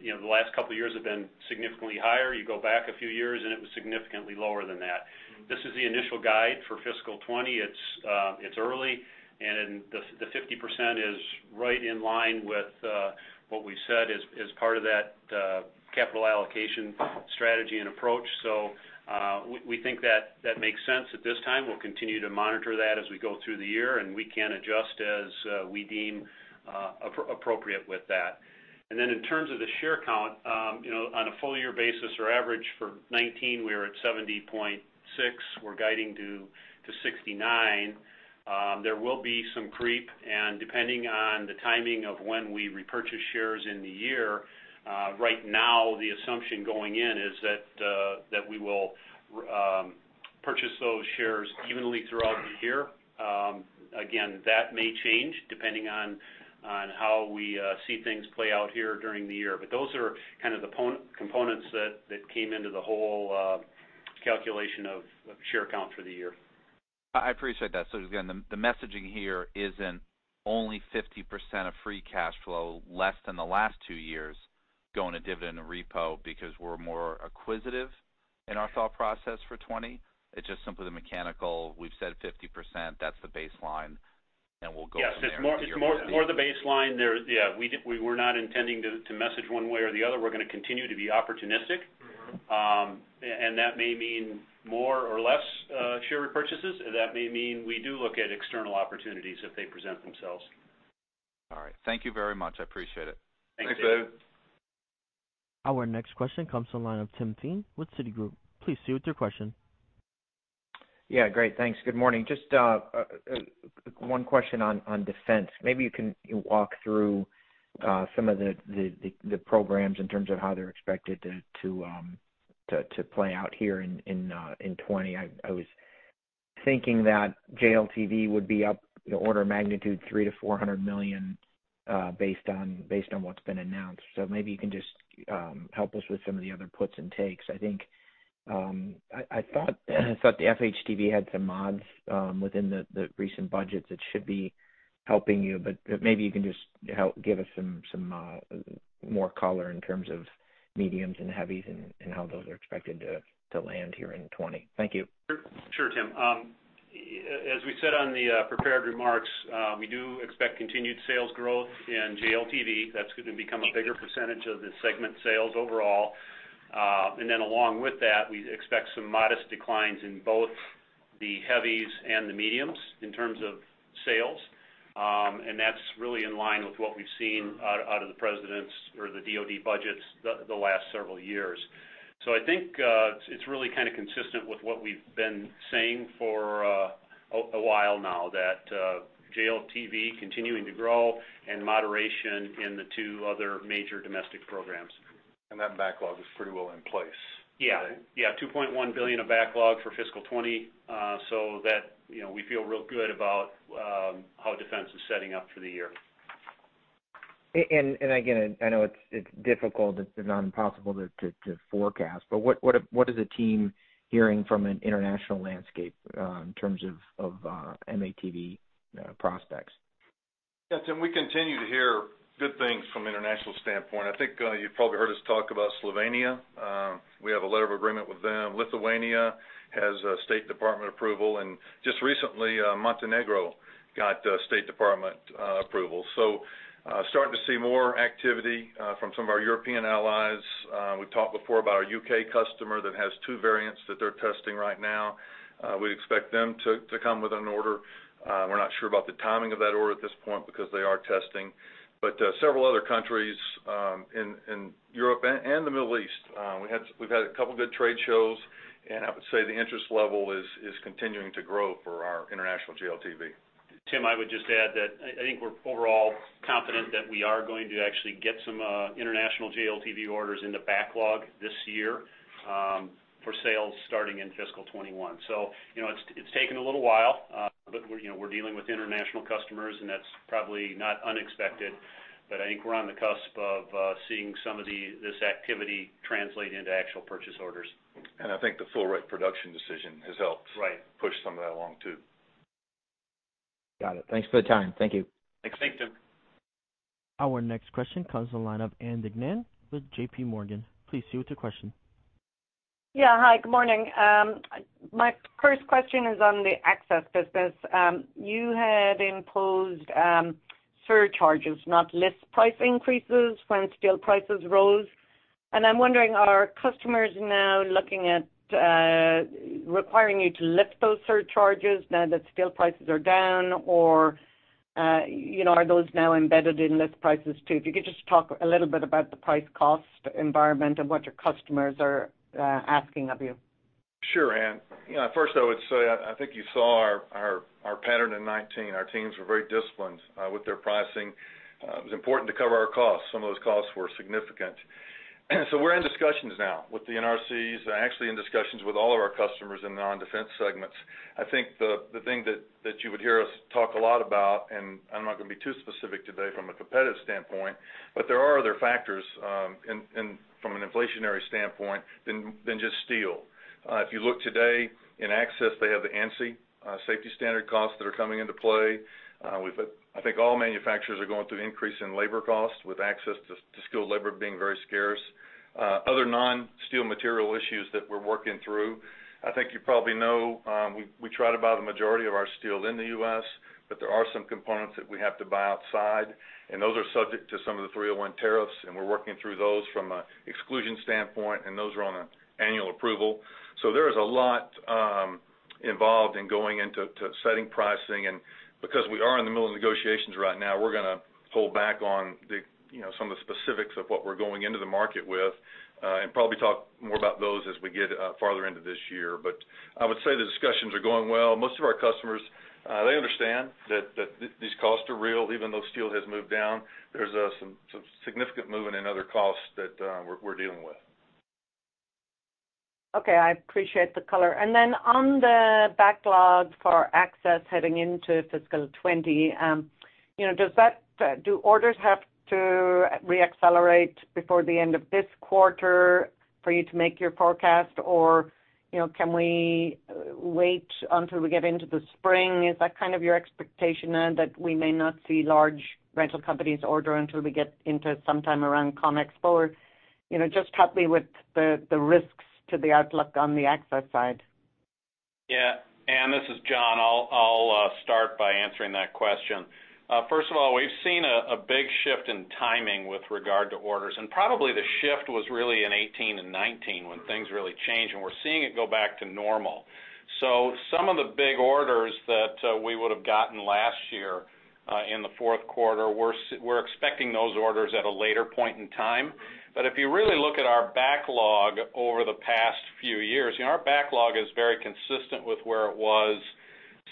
You know, the last couple of years have been significantly higher. You go back a few years, and it was significantly lower than that. This is the initial guide for fiscal 2020. It's early, and the 50% is right in line with what we've said as part of that capital allocation strategy and approach. So, we think that that makes sense at this time. We'll continue to monitor that as we go through the year, and we can adjust as we deem appropriate with that. And then in terms of the share count, you know, on a full year basis or average for 2019, we were at 70.6. We're guiding to 69. There will be some creep, and depending on the timing of when we repurchase shares in the year, right now, the assumption going in is that that we will purchase those shares evenly throughout the year. Again, that may change depending on how we see things play out here during the year. But those are kind of the main components that came into the whole calculation of share count for the year. I appreciate that. So again, the messaging here is in only 50% of free cash flow, less than the last two years, going to dividend and repo because we're more acquisitive in our thought process for 2020. It's just simply the mechanical, we've said 50%, that's the baseline, and we'll go from there. Yes, it's more, it's more the baseline there. Yeah, we were not intending to message one way or the other. We're going to continue to be opportunistic. Mm-hmm. And that may mean more or less share repurchases, and that may mean we do look at external opportunities if they present themselves. All right. Thank you very much. I appreciate it. Thanks, David. Our next question comes from the line of Timothy Thein with Citigroup. Please proceed with your question. Yeah, great. Thanks. Good morning. Just one question on Defense. Maybe you can walk through some of the programs in terms of how they're expected to play out here in 2020. I was thinking that JLTV would be up the order of magnitude, $300 million-$400 million, based on what's been announced. So maybe you can just help us with some of the other puts and takes. I think I thought the FHTV had some mods within the recent budgets that should be helping you, but maybe you can just help give us some more color in terms of mediums and heavies and how those are expected to land here in 2020. Thank you. Sure, Tim. As we said on the prepared remarks, we do expect continued sales growth in JLTV. That's going to become a bigger percentage of the segment sales overall. And then along with that, we expect some modest declines in both the heavies and the mediums in terms of sales. And that's really in line with what we've seen out of the president's or the DoD budgets the last several years. So I think it's really kind of consistent with what we've been saying for a while now, that JLTV continuing to grow and moderation in the two other major domestic programs. That backlog is pretty well in place. Yeah. Right? Yeah, $2.1 billion of backlog for fiscal 2020, so that, you know, we feel real good about how Defense is setting up for the year. Again, I know it's difficult, it's not impossible to forecast, but what is the team hearing from an international landscape in terms of M-ATV prospects? Yeah, Tim, we continue to hear good things from international standpoint. I think, you've probably heard us talk about Slovenia. We have a letter of agreement with them. Lithuania has a State Department approval, and just recently, Montenegro got a State Department approval. So, starting to see more activity from some of our European allies. We've talked before about our U.K. customer that has two variants that they're testing right now. We expect them to come with an order. We're not sure about the timing of that order at this point because they are testing. But, several other countries in Europe and the Middle East, we've had a couple of good trade shows, and I would say the interest level is continuing to grow for our international JLTV. Tim, I would just add that I think we're overall confident that we are going to actually get some international JLTV orders in the backlog this year, for sales starting in fiscal 2021. So, you know, it's taken a little while, but we're, you know, we're dealing with international customers, and that's probably not unexpected. But I think we're on the cusp of seeing some of this activity translate into actual purchase orders. I think the full rate production decision has helped- Right Push some of that along, too. Got it. Thanks for the time. Thank you. Thanks, Tim. Our next question comes from the line of Ann Duignan with J.P. Morgan. Please see what's your question? Yeah, hi, good morning. My first question is on the Access business. You had imposed surcharges, not list price increases when steel prices rose. I'm wondering, are customers now looking at requiring you to lift those surcharges now that steel prices are down, or, you know, are those now embedded in list prices, too? If you could just talk a little bit about the price cost environment and what your customers are asking of you. Sure, Ann. Yeah, first, I would say, I think you saw our pattern in 2019. Our teams were very disciplined with their pricing. It was important to cover our costs. Some of those costs were significant. So we're in discussions now with the RCVs, and actually in discussions with all of our customers in the non-defense segments. I think the thing that you would hear us talk a lot about, and I'm not going to be too specific today from a competitive standpoint, but there are other factors in from an inflationary standpoint than just steel. If you look today in Access, they have the ANSI safety standard costs that are coming into play. We have. I think all manufacturers are going through an increase in labor costs, with Access to skilled labor being very scarce. Other non-steel material issues that we're working through, I think you probably know, we try to buy the majority of our steel in the U.S., but there are some components that we have to buy outside, and those are subject to some of the 301 tariffs, and we're working through those from an exclusion standpoint, and those are on an annual approval. So there is a lot involved in going into setting pricing. And because we are in the middle of negotiations right now, we're gonna pull back on the, you know, some of the specifics of what we're going into the market with, and probably talk more about those as we get farther into this year. But I would say the discussions are going well. Most of our customers, they understand that these costs are real, even though steel has moved down. There's some significant movement in other costs that we're dealing with. Okay, I appreciate the color. Then on the backlogs for Access heading into fiscal 2020, you know, do orders have to reaccelerate before the end of this quarter for you to make your forecast? Or, you know, can we wait until we get into the spring? Is that kind of your expectation, that we may not see large rental companies order until we get into sometime around ConExpo forward? You know, just help me with the risks to the outlook on the Access side. Yeah. Ann, this is John. I'll start by answering that question. First of all, we've seen a big shift in timing with regard to orders, and probably the shift was really in 2018 and 2019 when things really changed, and we're seeing it go back to normal. So some of the big orders that we would have gotten last year in the fourth quarter, we're expecting those orders at a later point in time. But if you really look at our backlog over the past few years, you know, our backlog is very consistent with where it was,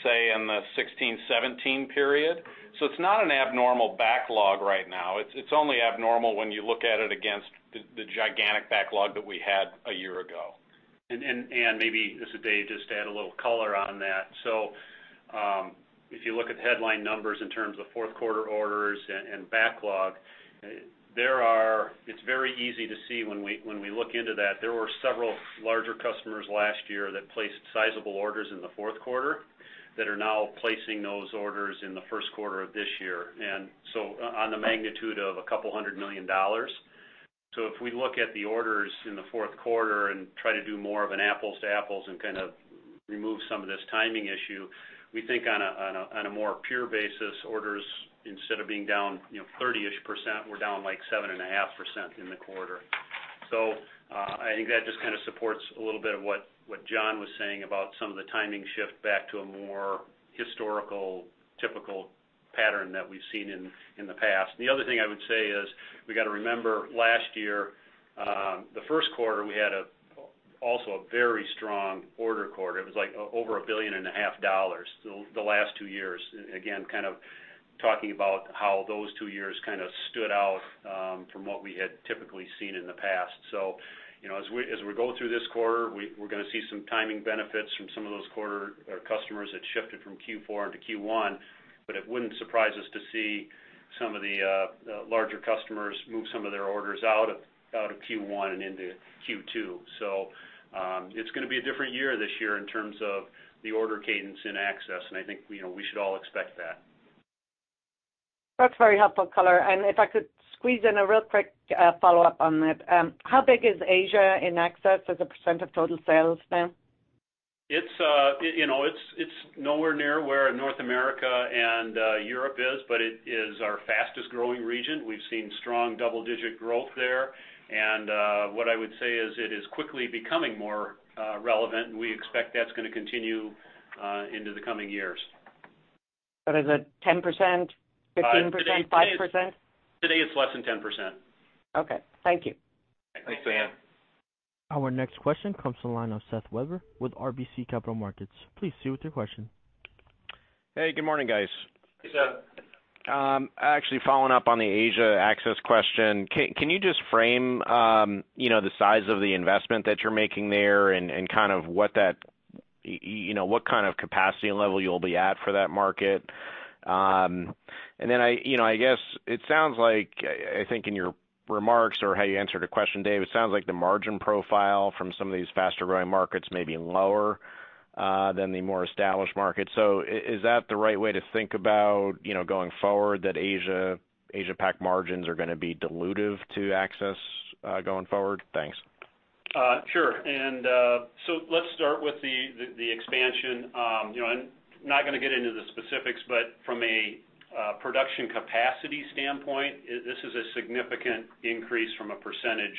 say, in the 2016, 2017 period. So it's not an abnormal backlog right now. It's only abnormal when you look at it against the gigantic backlog that we had a year ago. Ann, maybe this is Dave, just to add a little color on that. So, if you look at the headline numbers in terms of fourth quarter orders and backlog, it's very easy to see when we look into that, there were several larger customers last year that placed sizable orders in the fourth quarter, that are now placing those orders in the first quarter of this year, and so on the magnitude of $200 million. So if we look at the orders in the fourth quarter and try to do more of an apples to apples and kind of remove some of this timing issue, we think on a more pure basis, orders, instead of being down, you know, 30-ish%, we're down, like, 7.5% in the quarter. So, I think that just kind of supports a little bit of what, what John was saying about some of the timing shift back to a more historical, typical pattern that we've seen in, in the past. The other thing I would say is, we got to remember, last year, the first quarter, we had a, also a very strong order quarter. It was like over $1.5 billion, the, the last two years. Again, kind of talking about how those two years kind of stood out-... we had typically seen in the past. So, you know, as we go through this quarter, we're gonna see some timing benefits from some of those quarter customers that shifted from Q4 into Q1, but it wouldn't surprise us to see some of the larger customers move some of their orders out of Q1 and into Q2. So, it's gonna be a different year this year in terms of the order cadence and Access, and I think, you know, we should all expect that. That's very helpful color. If I could squeeze in a real quick follow-up on that. How big is Asia in Access as a percent of total sales now? It's, you know, it's, it's nowhere near where North America and Europe is, but it is our fastest growing region. We've seen strong double-digit growth there, and what I would say is, it is quickly becoming more relevant, and we expect that's gonna continue into the coming years. But is it 10%, 15%, 5%? Today, it's less than 10%. Okay. Thank you. Thanks, Ann. Our next question comes from the line of Seth Weber with RBC Capital Markets. Please proceed with your question. Hey, good morning, guys. Hey, Seth. Actually following up on the Asia Access question. Can you just frame, you know, the size of the investment that you're making there and kind of what that, you know, what kind of capacity level you'll be at for that market? And then I, you know, I guess, it sounds like, I think in your remarks or how you answered a question, Dave, it sounds like the margin profile from some of these faster-growing markets may be lower than the more established markets. So is that the right way to think about, you know, going forward, that Asia-Asia Pac margins are gonna be dilutive to Access going forward? Thanks. Sure. And so let's start with the expansion. You know, I'm not gonna get into the specifics, but from a production capacity standpoint, this is a significant increase from a percentage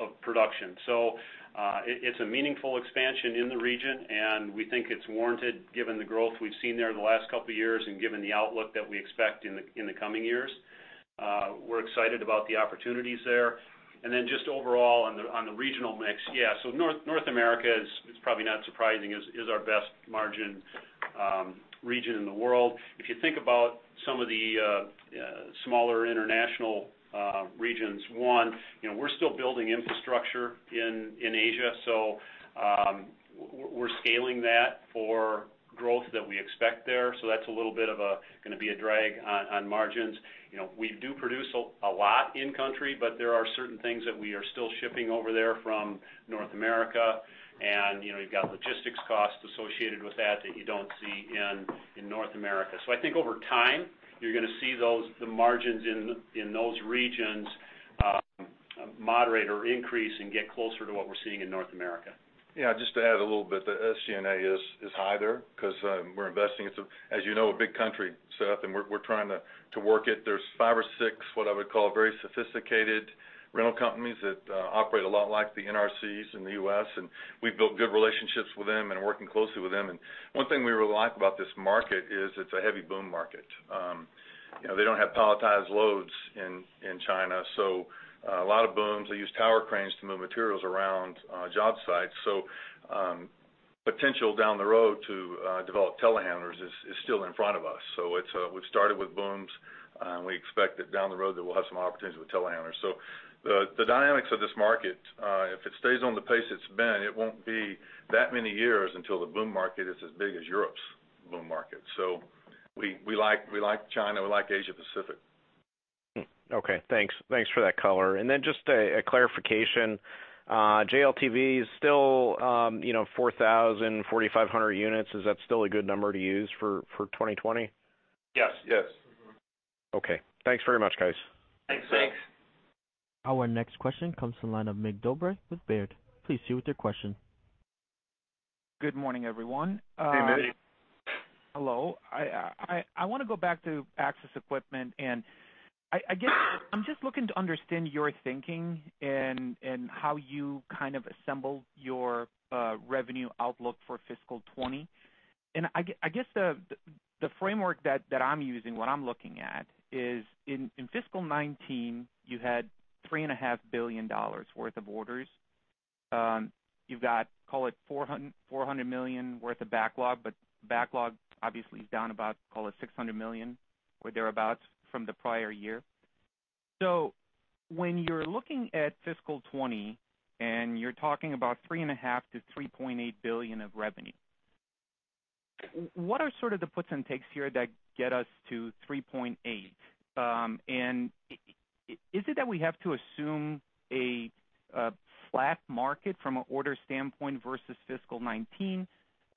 of production. So it's a meaningful expansion in the region, and we think it's warranted given the growth we've seen there in the last couple of years and given the outlook that we expect in the coming years. We're excited about the opportunities there. And then just overall on the regional mix, yeah, so North America is, it's probably not surprising, is our best margin region in the world. If you think about some of the smaller international regions, one, you know, we're still building infrastructure in Asia, so we're scaling that for growth that we expect there. So that's a little bit of a gonna be a drag on margins. You know, we do produce a lot in country, but there are certain things that we are still shipping over there from North America, and, you know, you've got logistics costs associated with that, that you don't see in North America. So I think over time, you're gonna see those the margins in those regions moderate or increase and get closer to what we're seeing in North America. Yeah, just to add a little bit, the SG&A is high there 'cause we're investing. It's, as you know, a big country, Seth, and we're trying to work it. There's five or six, what I would call very sophisticated rental companies that operate a lot like the NRCs in the U.S., and we've built good relationships with them and working closely with them. And one thing we really like about this market is it's a heavy boom market. You know, they don't have palletized loads in China, so a lot of booms. They use tower cranes to move materials around job sites. So potential down the road to develop telehandlers is still in front of us. So it's we've started with booms and we expect that down the road that we'll have some opportunities with telehandlers. So the dynamics of this market, if it stays on the pace it's been, it won't be that many years until the boom market is as big as Europe's boom market. So we like, we like China, we like Asia Pacific. Hmm, okay, thanks. Thanks for that color. Then just a clarification. JLTV is still, you know, 4,000-4,500 units. Is that still a good number to use for 2020? Yes. Yes. Okay. Thanks very much, guys. Thanks, Seth. Thanks. Our next question comes from the line of Mig Dobre with Baird. Please proceed with your question. Good morning, everyone. Hey, Mig. Hello. I wanna go back to Access Equipment, and I guess I'm just looking to understand your thinking and how you kind of assembled your revenue outlook for fiscal 2020. And I guess the framework that I'm using, what I'm looking at, is in fiscal 2019, you had $3.5 billion worth of orders. You've got, call it $400 million worth of backlog, but backlog obviously is down about, call it, $600 million, or thereabout, from the prior year. So when you're looking at fiscal 2020, and you're talking about $3.5 billion-$3.8 billion of revenue, what are sort of the puts and takes here that get us to three point eight? And is it that we have to assume a flat market from an order standpoint versus fiscal 2019?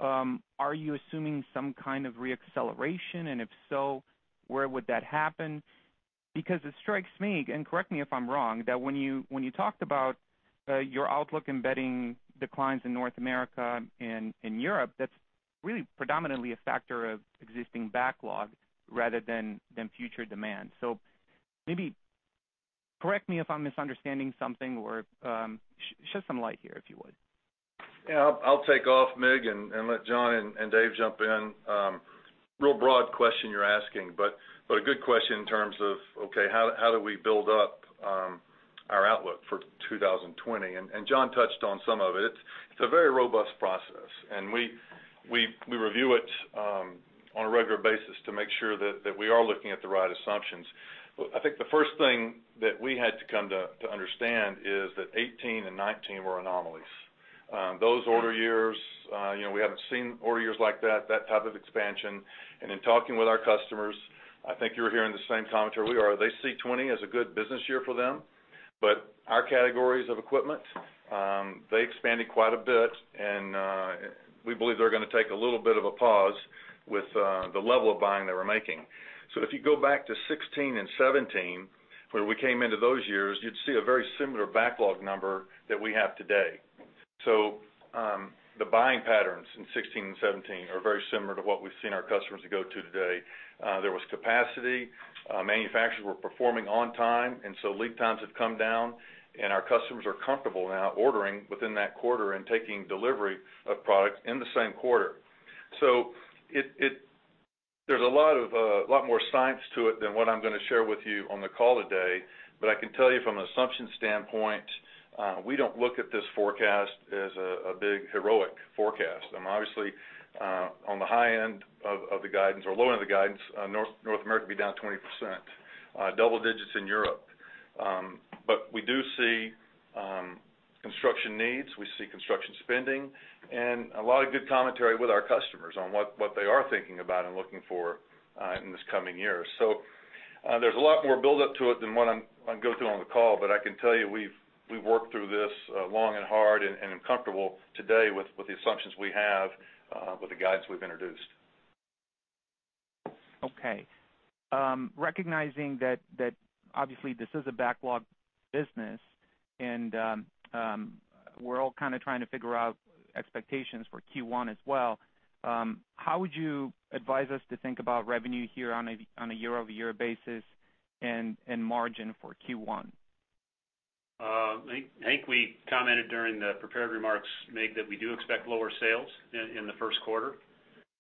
Are you assuming some kind of re-acceleration, and if so, where would that happen? Because it strikes me, and correct me if I'm wrong, that when you, when you talked about your outlook embedding declines in North America and in Europe, that's really predominantly a factor of existing backlog rather than future demand. So maybe correct me if I'm misunderstanding something or shed some light here, if you would. Yeah, I'll take off, Mig, and let John and Dave jump in. Real broad question you're asking, but a good question in terms of, okay, how do we build up the outlook for 2020, and John touched on some of it. It's a very robust process, and we review it on a regular basis to make sure that we are looking at the right assumptions. Well, I think the first thing that we had to come to understand is that 2018 and 2019 were anomalies. Those order years, you know, we haven't seen order years like that, that type of expansion. And in talking with our customers, I think you're hearing the same commentary we are. They see 2020 as a good business year for them, but our categories of equipment, they expanded quite a bit, and we believe they're gonna take a little bit of a pause with the level of buying they were making. So if you go back to 2016 and 2017, where we came into those years, you'd see a very similar backlog number that we have today. So the buying patterns in 2016 and 2017 are very similar to what we've seen our customers to go to today. There was capacity, manufacturers were performing on time, and so lead times have come down, and our customers are comfortable now ordering within that quarter and taking delivery of products in the same quarter. So it, there's a lot of, a lot more science to it than what I'm gonna share with you on the call today. But I can tell you from an assumption standpoint, we don't look at this forecast as a big heroic forecast. Obviously, on the high end of the guidance or low end of the guidance, North America will be down 20%, double digits in Europe. But we do see construction needs, we see construction spending, and a lot of good commentary with our customers on what they are thinking about and looking for, in this coming year. So, there's a lot more build up to it than what I'm going through on the call, but I can tell you, we've worked through this long and hard and I'm comfortable today with the assumptions we have with the guidance we've introduced. Okay. Recognizing that obviously this is a backlog business, and we're all kind of trying to figure out expectations for Q1 as well, how would you advise us to think about revenue here on a year-over-year basis and margin for Q1? I think we commented during the prepared remarks, Mig, that we do expect lower sales in the first quarter.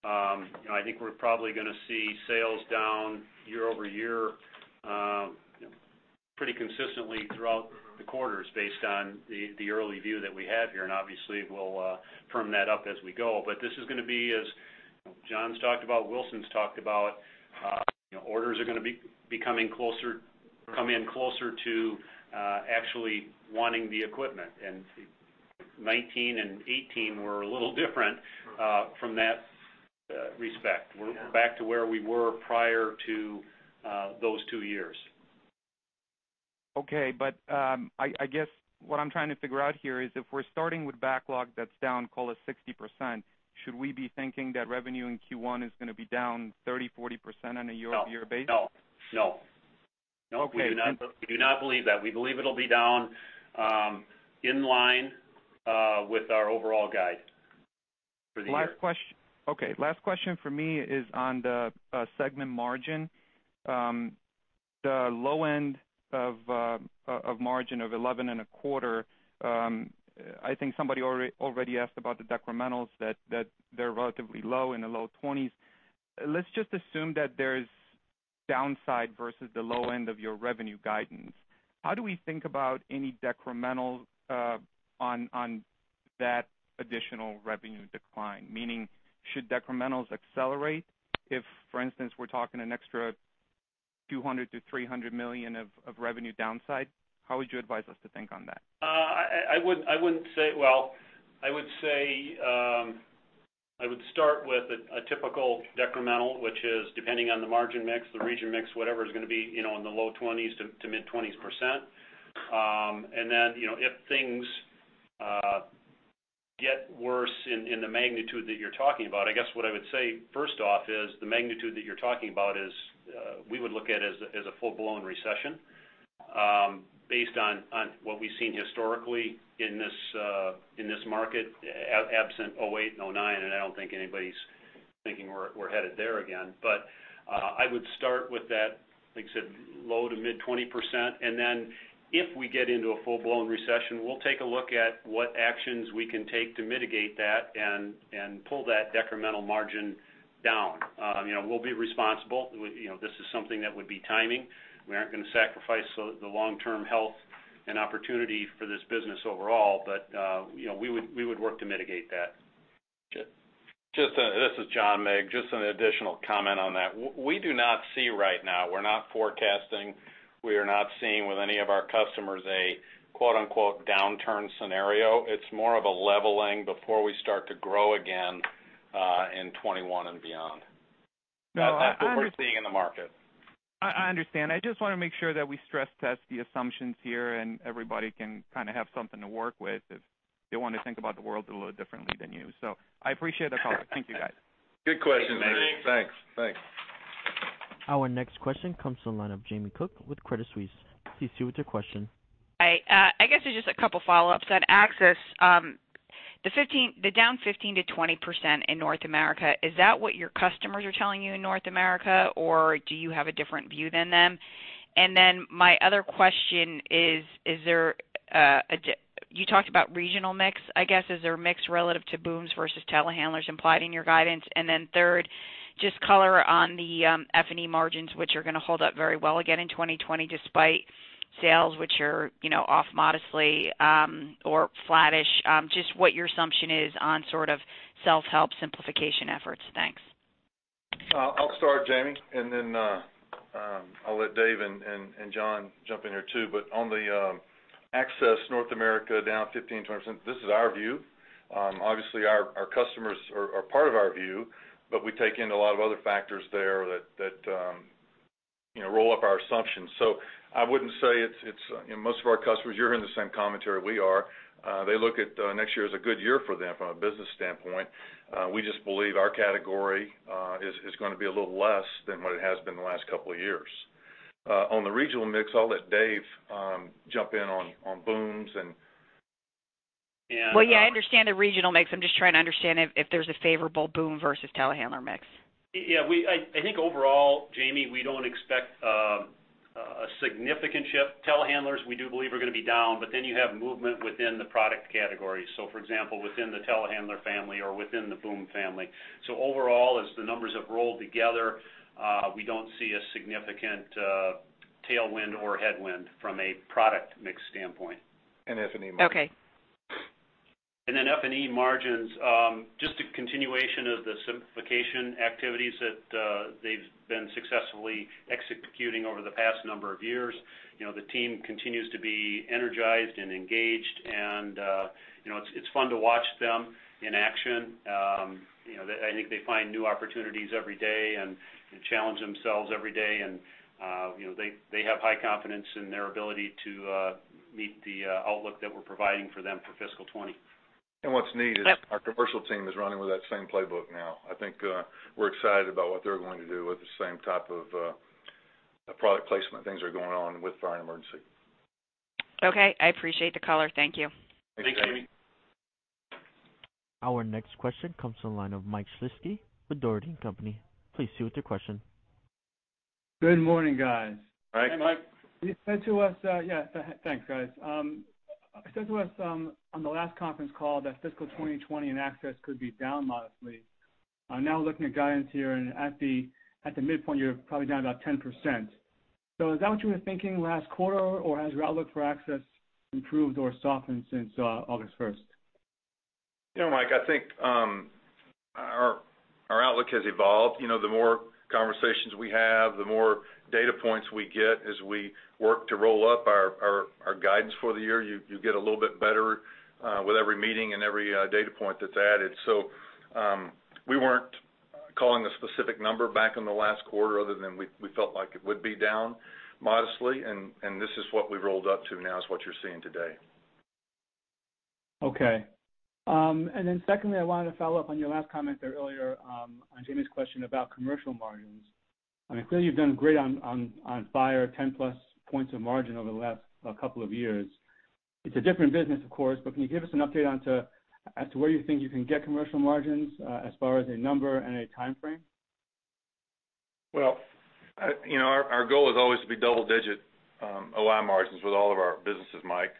You know, I think we're probably gonna see sales down year over year pretty consistently throughout the quarters based on the early view that we have here, and obviously, we'll firm that up as we go. But this is gonna be, as John's talked about, Wilson's talked about, you know, orders are gonna be coming closer to actually wanting the equipment. And 2019 and 2018 were a little different from that respect. We're back to where we were prior to those two years. Okay, but, I guess what I'm trying to figure out here is, if we're starting with backlog that's down, call it 60%, should we be thinking that revenue in Q1 is gonna be down 30%-40% on a year-over-year basis? No, no. No. Okay. We do not, we do not believe that. We believe it'll be down, in line, with our overall guide for the year. Okay, last question for me is on the segment margin. The low end of margin of 11.25%, I think somebody already asked about the decrementals, that they're relatively low, in the low 20s. Let's just assume that there's downside versus the low end of your revenue guidance. How do we think about any decremental on that additional revenue decline? Meaning, should decrementals accelerate, if, for instance, we're talking an extra $200 million-$300 million of revenue downside, how would you advise us to think on that? Well, I would say, I would start with a typical decremental, which is depending on the margin mix, the region mix, whatever is gonna be, you know, in the low 20s to mid-20s%. And then, you know, if things get worse in the magnitude that you're talking about, I guess what I would say, first off, is the magnitude that you're talking about is we would look at as a full-blown recession, based on what we've seen historically in this market, absent 2008 and 2009, and I don't think anybody's thinking we're headed there again. But I would start with that, like I said, low to mid-20%. And then if we get into a full-blown recession, we'll take a look at what actions we can take to mitigate that and pull that decremental margin down. You know, we'll be responsible. You know, this is something that would be timing. We aren't gonna sacrifice the long-term health and opportunity for this business overall, but, you know, we would work to mitigate that. Just, this is John, Mig, just an additional comment on that. We do not see right now, we're not forecasting, we are not seeing with any of our customers a, quote, unquote, "downturn scenario." It's more of a leveling before we start to grow again, in 2021 and beyond. No, I under- That's what we're seeing in the market. I understand. I just wanna make sure that we stress test the assumptions here, and everybody can kind of have something to work with if they want to think about the world a little differently than you. So I appreciate the call. Thank you, guys. Good question, Mig. Thanks, thanks. Our next question comes from the line of Jamie Cook with Credit Suisse. Please go with your question. Hi, I guess it's just a couple follow-ups on Access. The down 15%-20% in North America, is that what your customers are telling you in North America, or do you have a different view than them? And then my other question is, you talked about regional mix, I guess, is there a mix relative to booms versus telehandlers implied in your guidance? And then third, just color on the F&E margins, which are going to hold up very well again in 2020, despite sales, which are, you know, off modestly or flattish. Just what your assumption is on sort of self-help simplification efforts. Thanks. I'll start, Jamie, and then I'll let Dave and John jump in here, too. But on the Access North America down 15%-20%, this is our view. Obviously, our customers are part of our view, but we take in a lot of other factors there that you know, roll up our assumptions. So I wouldn't say it's you know, most of our customers, you're hearing the same commentary we are. They look at next year as a good year for them from a business standpoint. We just believe our category is going to be a little less than what it has been the last couple of years. On the regional mix, I'll let Dave jump in on booms and- Well, yeah, I understand the regional mix. I'm just trying to understand if, if there's a favorable boom versus telehandler mix. Yeah, I think overall, Jamie, we don't expect a significant shift. Telehandlers, we do believe are going to be down, but then you have movement within the product category. So for example, within the telehandler family or within the boom family. So overall, as the numbers have rolled together, we don't see a significant tailwind or headwind from a product mix standpoint. And F&E margins. Okay. And then F&E margins, just a continuation of the simplification activities that, they've been successfully executing over the past number of years. You know, the team continues to be energized and engaged, and, you know, it's, it's fun to watch them in action. You know, I think they find new opportunities every day and, and challenge themselves every day. And, you know, they, they have high confidence in their ability to, meet the, outlook that we're providing for them for fiscal 2020. What's neat is our Commercial team is running with that same playbook now. I think, we're excited about what they're going to do with the same type of product placement things are going on with Fire and Emergency. Okay. I appreciate the color. Thank you. Thanks, Jamie. Thanks, Jamie. Our next question comes from the line of Mike Shlisky with Dougherty & Company. Please proceed with your question. Good morning, guys. Hi, Mike. You said to us, Yeah, thanks, guys. You said to us, on the last conference call that fiscal 2020 in Access could be down modestly. Now looking at guidance here, and at the midpoint, you're probably down about 10%. So is that what you were thinking last quarter, or has your outlook for Access improved or softened since August 1st? You know, Mike, I think, our outlook has evolved. You know, the more conversations we have, the more data points we get as we work to roll up our guidance for the year, you get a little bit better with every meeting and every data point that's added. So, we weren't calling a specific number back in the last quarter other than we felt like it would be down modestly, and this is what we rolled up to now is what you're seeing today. Okay. And then secondly, I wanted to follow up on your last comment there earlier, on Jamie's question about Commercial margins. I mean, clearly, you've done great on Fire, 10+ points of margin over the last couple of years. It's a different business, of course, but can you give us an update on to, as to where you think you can get Commercial margins, as far as a number and a time frame? Well, you know, our goal is always to be double-digit OI margins with all of our businesses, Mike.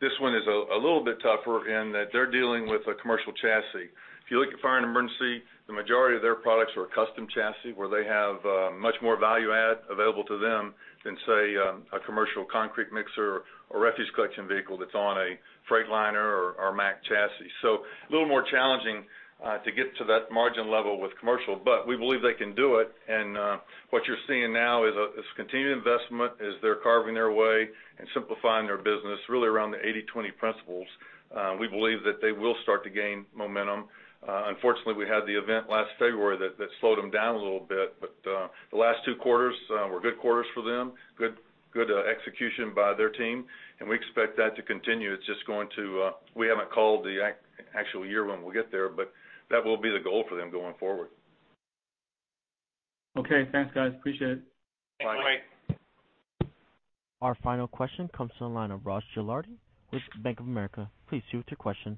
This one is a little bit tougher in that they're dealing with a commercial chassis. If you look at Fire & Emergency, the majority of their products are custom chassis, where they have much more value add available to them than, say, a commercial concrete mixer or a refuse collection vehicle that's on a Freightliner or Mack chassis. So a little more challenging to get to that margin level with Commercial, but we believe they can do it. And what you're seeing now is continued investment, as they're carving their way and simplifying their business, really around the 80/20 principles. We believe that they will start to gain momentum. Unfortunately, we had the event last February that slowed them down a little bit. But, the last two quarters were good quarters for them, good execution by their team, and we expect that to continue. It's just going to, we haven't called the actual year when we'll get there, but that will be the goal for them going forward. Okay. Thanks, guys. Appreciate it. Thanks, Mike. Our final question comes from the line of Ross Gilardi with Bank of America. Please proceed with your question.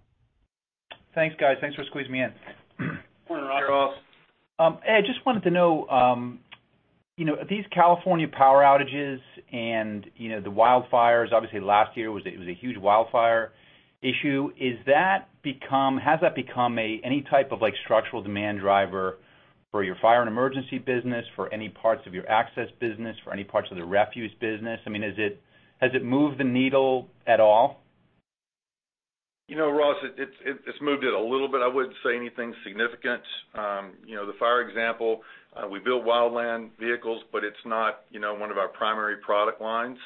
Thanks, guys. Thanks for squeezing me in. Good morning, Ross. I just wanted to know, you know, these California power outages and, you know, the wildfires, obviously last year was a, was a huge wildfire issue. Is that become- has that become a, any type of, like, structural demand driver for your Fire and Emergency business, for any parts of your Access business, for any parts of the refuse business? I mean, has it, has it moved the needle at all? You know, Ross, it's moved it a little bit. I wouldn't say anything significant. You know, the fire example, we build wildland vehicles, but it's not, you know, one of our primary product lines.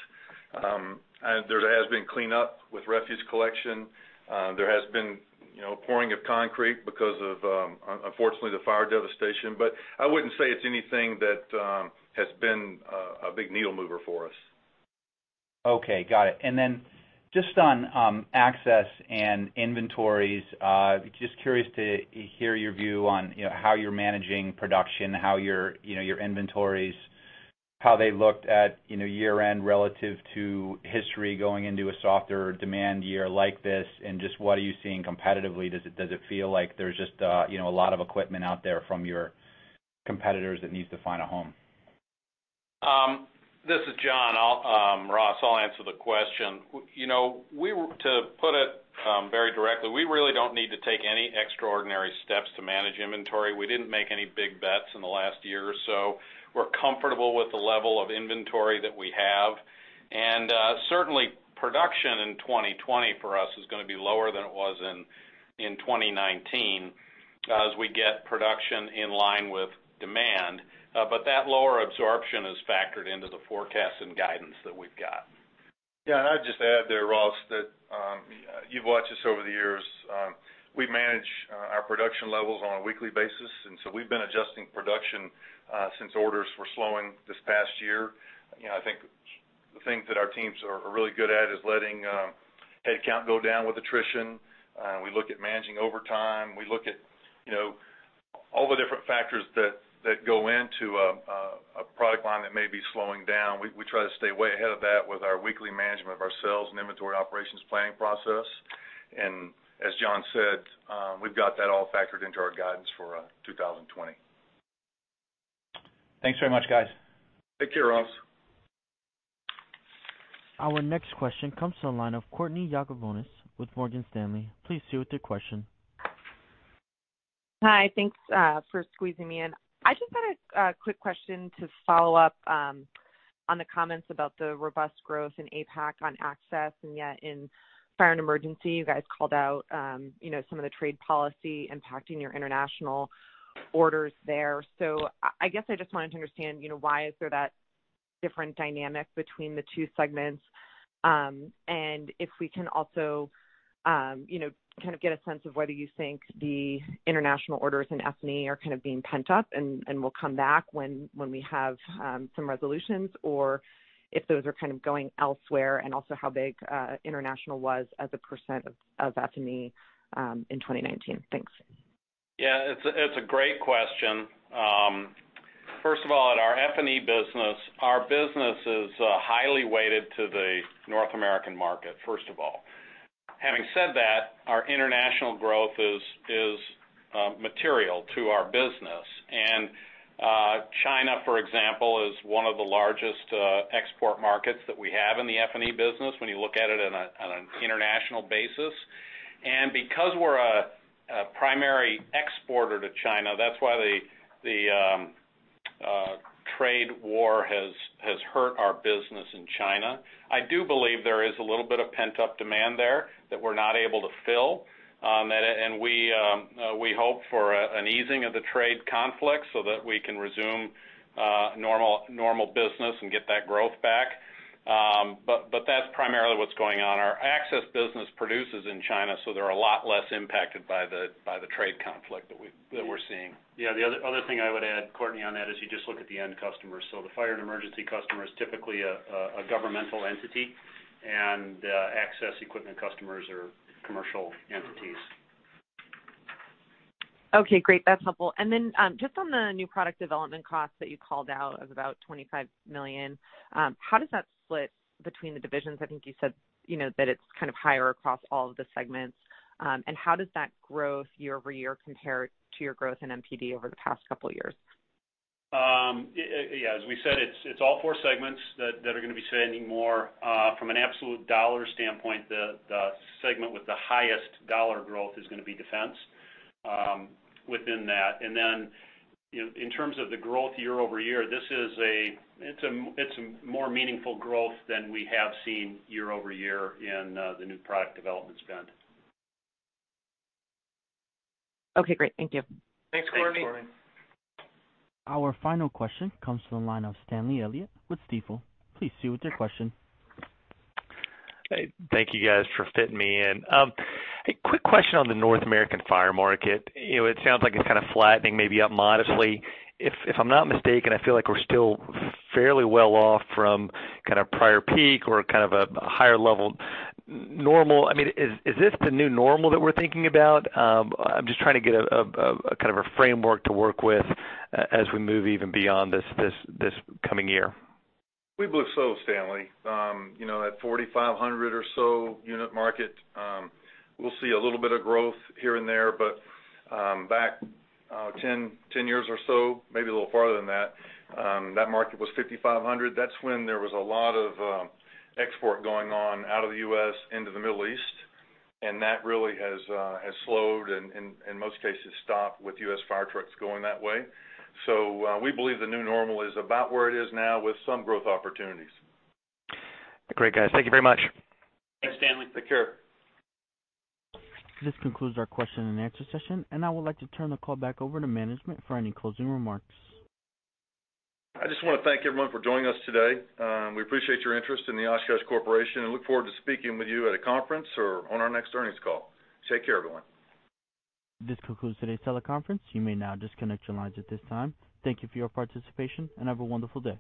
And there has been cleanup with refuse collection. There has been, you know, pouring of concrete because of, unfortunately, the fire devastation. But I wouldn't say it's anything that has been a big needle mover for us. Okay, got it. And then just on Access and inventories, just curious to hear your view on, you know, how you're managing production, how your, you know, your inventories, how they looked at, you know, year-end relative to history going into a softer demand year like this, and just what are you seeing competitively? Does it feel like there's just, you know, a lot of equipment out there from your competitors that needs to find a home?... This is John. I'll, Ross, I'll answer the question. You know, to put it very directly, we really don't need to take any extraordinary steps to manage inventory. We didn't make any big bets in the last year or so. We're comfortable with the level of inventory that we have. And certainly, production in 2020 for us is gonna be lower than it was in 2019, as we get production in line with demand. But that lower absorption is factored into the forecast and guidance that we've got. Yeah, and I'd just add there, Ross, that you've watched us over the years. We manage our production levels on a weekly basis, and so we've been adjusting production since orders were slowing this past year. You know, I think the thing that our teams are really good at is letting headcount go down with attrition. We look at managing overtime. We look at, you know, all the different factors that go into a product line that may be slowing down. We try to stay way ahead of that with our weekly management of ourselves and inventory operations planning process. And as John said, we've got that all factored into our guidance for 2020. Thanks very much, guys. Take care, Ross. Our next question comes from the line of Courtney Yakavonis with Morgan Stanley. Please proceed with your question. Hi, thanks, for squeezing me in. I just had a quick question to follow up, on the comments about the robust growth in APAC on Access, and yet in Fire and Emergency, you guys called out, you know, some of the trade policy impacting your international orders there. So I guess I just wanted to understand, you know, why is there that different dynamic between the two segments? And if we can also, you know, kind of get a sense of whether you think the international orders in F&E are kind of being pent up and will come back when we have, some resolutions, or if those are kind of going elsewhere, and also how big, international was as a percent of F&E, in 2019. Thanks. Yeah, it's a great question. First of all, at our F&E business, our business is highly weighted to the North American market, first of all. Having said that, our international growth is material to our business. And China, for example, is one of the largest export markets that we have in the F&E business when you look at it on an international basis. And because we're a primary exporter to China, that's why the trade war has hurt our business in China. I do believe there is a little bit of pent-up demand there that we're not able to fill, and we hope for an easing of the trade conflict so that we can resume normal business and get that growth back. But that's primarily what's going on. Our Access business produces in China, so they're a lot less impacted by the trade conflict that we're seeing. Yeah, the other thing I would add, Courtney, on that is you just look at the end customers. So the Fire and Emergency customer is typically a governmental entity, and Access Equipment customers are Commercial entities. Okay, great. That's helpful. And then, just on the new product development costs that you called out of about $25 million, how does that split between the divisions? I think you said, you know, that it's kind of higher across all of the segments. And how does that grow year-over-year compared to your growth in NPD over the past couple of years? Yeah, as we said, it's all four segments that are gonna be spending more. From an absolute dollar standpoint, the segment with the highest dollar growth is gonna be Defense, within that. And then, you know, in terms of the growth year-over-year, this is... it's more meaningful growth than we have seen year-over-year in the new product development spend. Okay, great. Thank you. Thanks, Courtney. Thanks, Courtney. Our final question comes from the line of Stanley Elliott with Stifel. Please proceed with your question. Hey, thank you, guys, for fitting me in. A quick question on the North American fire market. You know, it sounds like it's kind of flattening, maybe up modestly. If I'm not mistaken, I feel like we're still fairly well off from kind of prior peak or kind of a higher level normal. I mean, is this the new normal that we're thinking about? I'm just trying to get a kind of a framework to work with as we move even beyond this coming year. We believe so, Stanley. You know, at 4,500 or so unit market, we'll see a little bit of growth here and there, but back ten years or so, maybe a little farther than that, that market was 5,500. That's when there was a lot of export going on out of the U.S. into the Middle East, and that really has slowed, and in most cases, stopped with U.S. fire trucks going that way. So, we believe the new normal is about where it is now with some growth opportunities. Great, guys. Thank you very much. Thanks, Stanley. Take care. This concludes our question and answer session, and I would like to turn the call back over to management for any closing remarks. I just want to thank everyone for joining us today. We appreciate your interest in the Oshkosh Corporation and look forward to speaking with you at a conference or on our next earnings call. Take care, everyone. This concludes today's teleconference. You may now disconnect your lines at this time. Thank you for your participation, and have a wonderful day.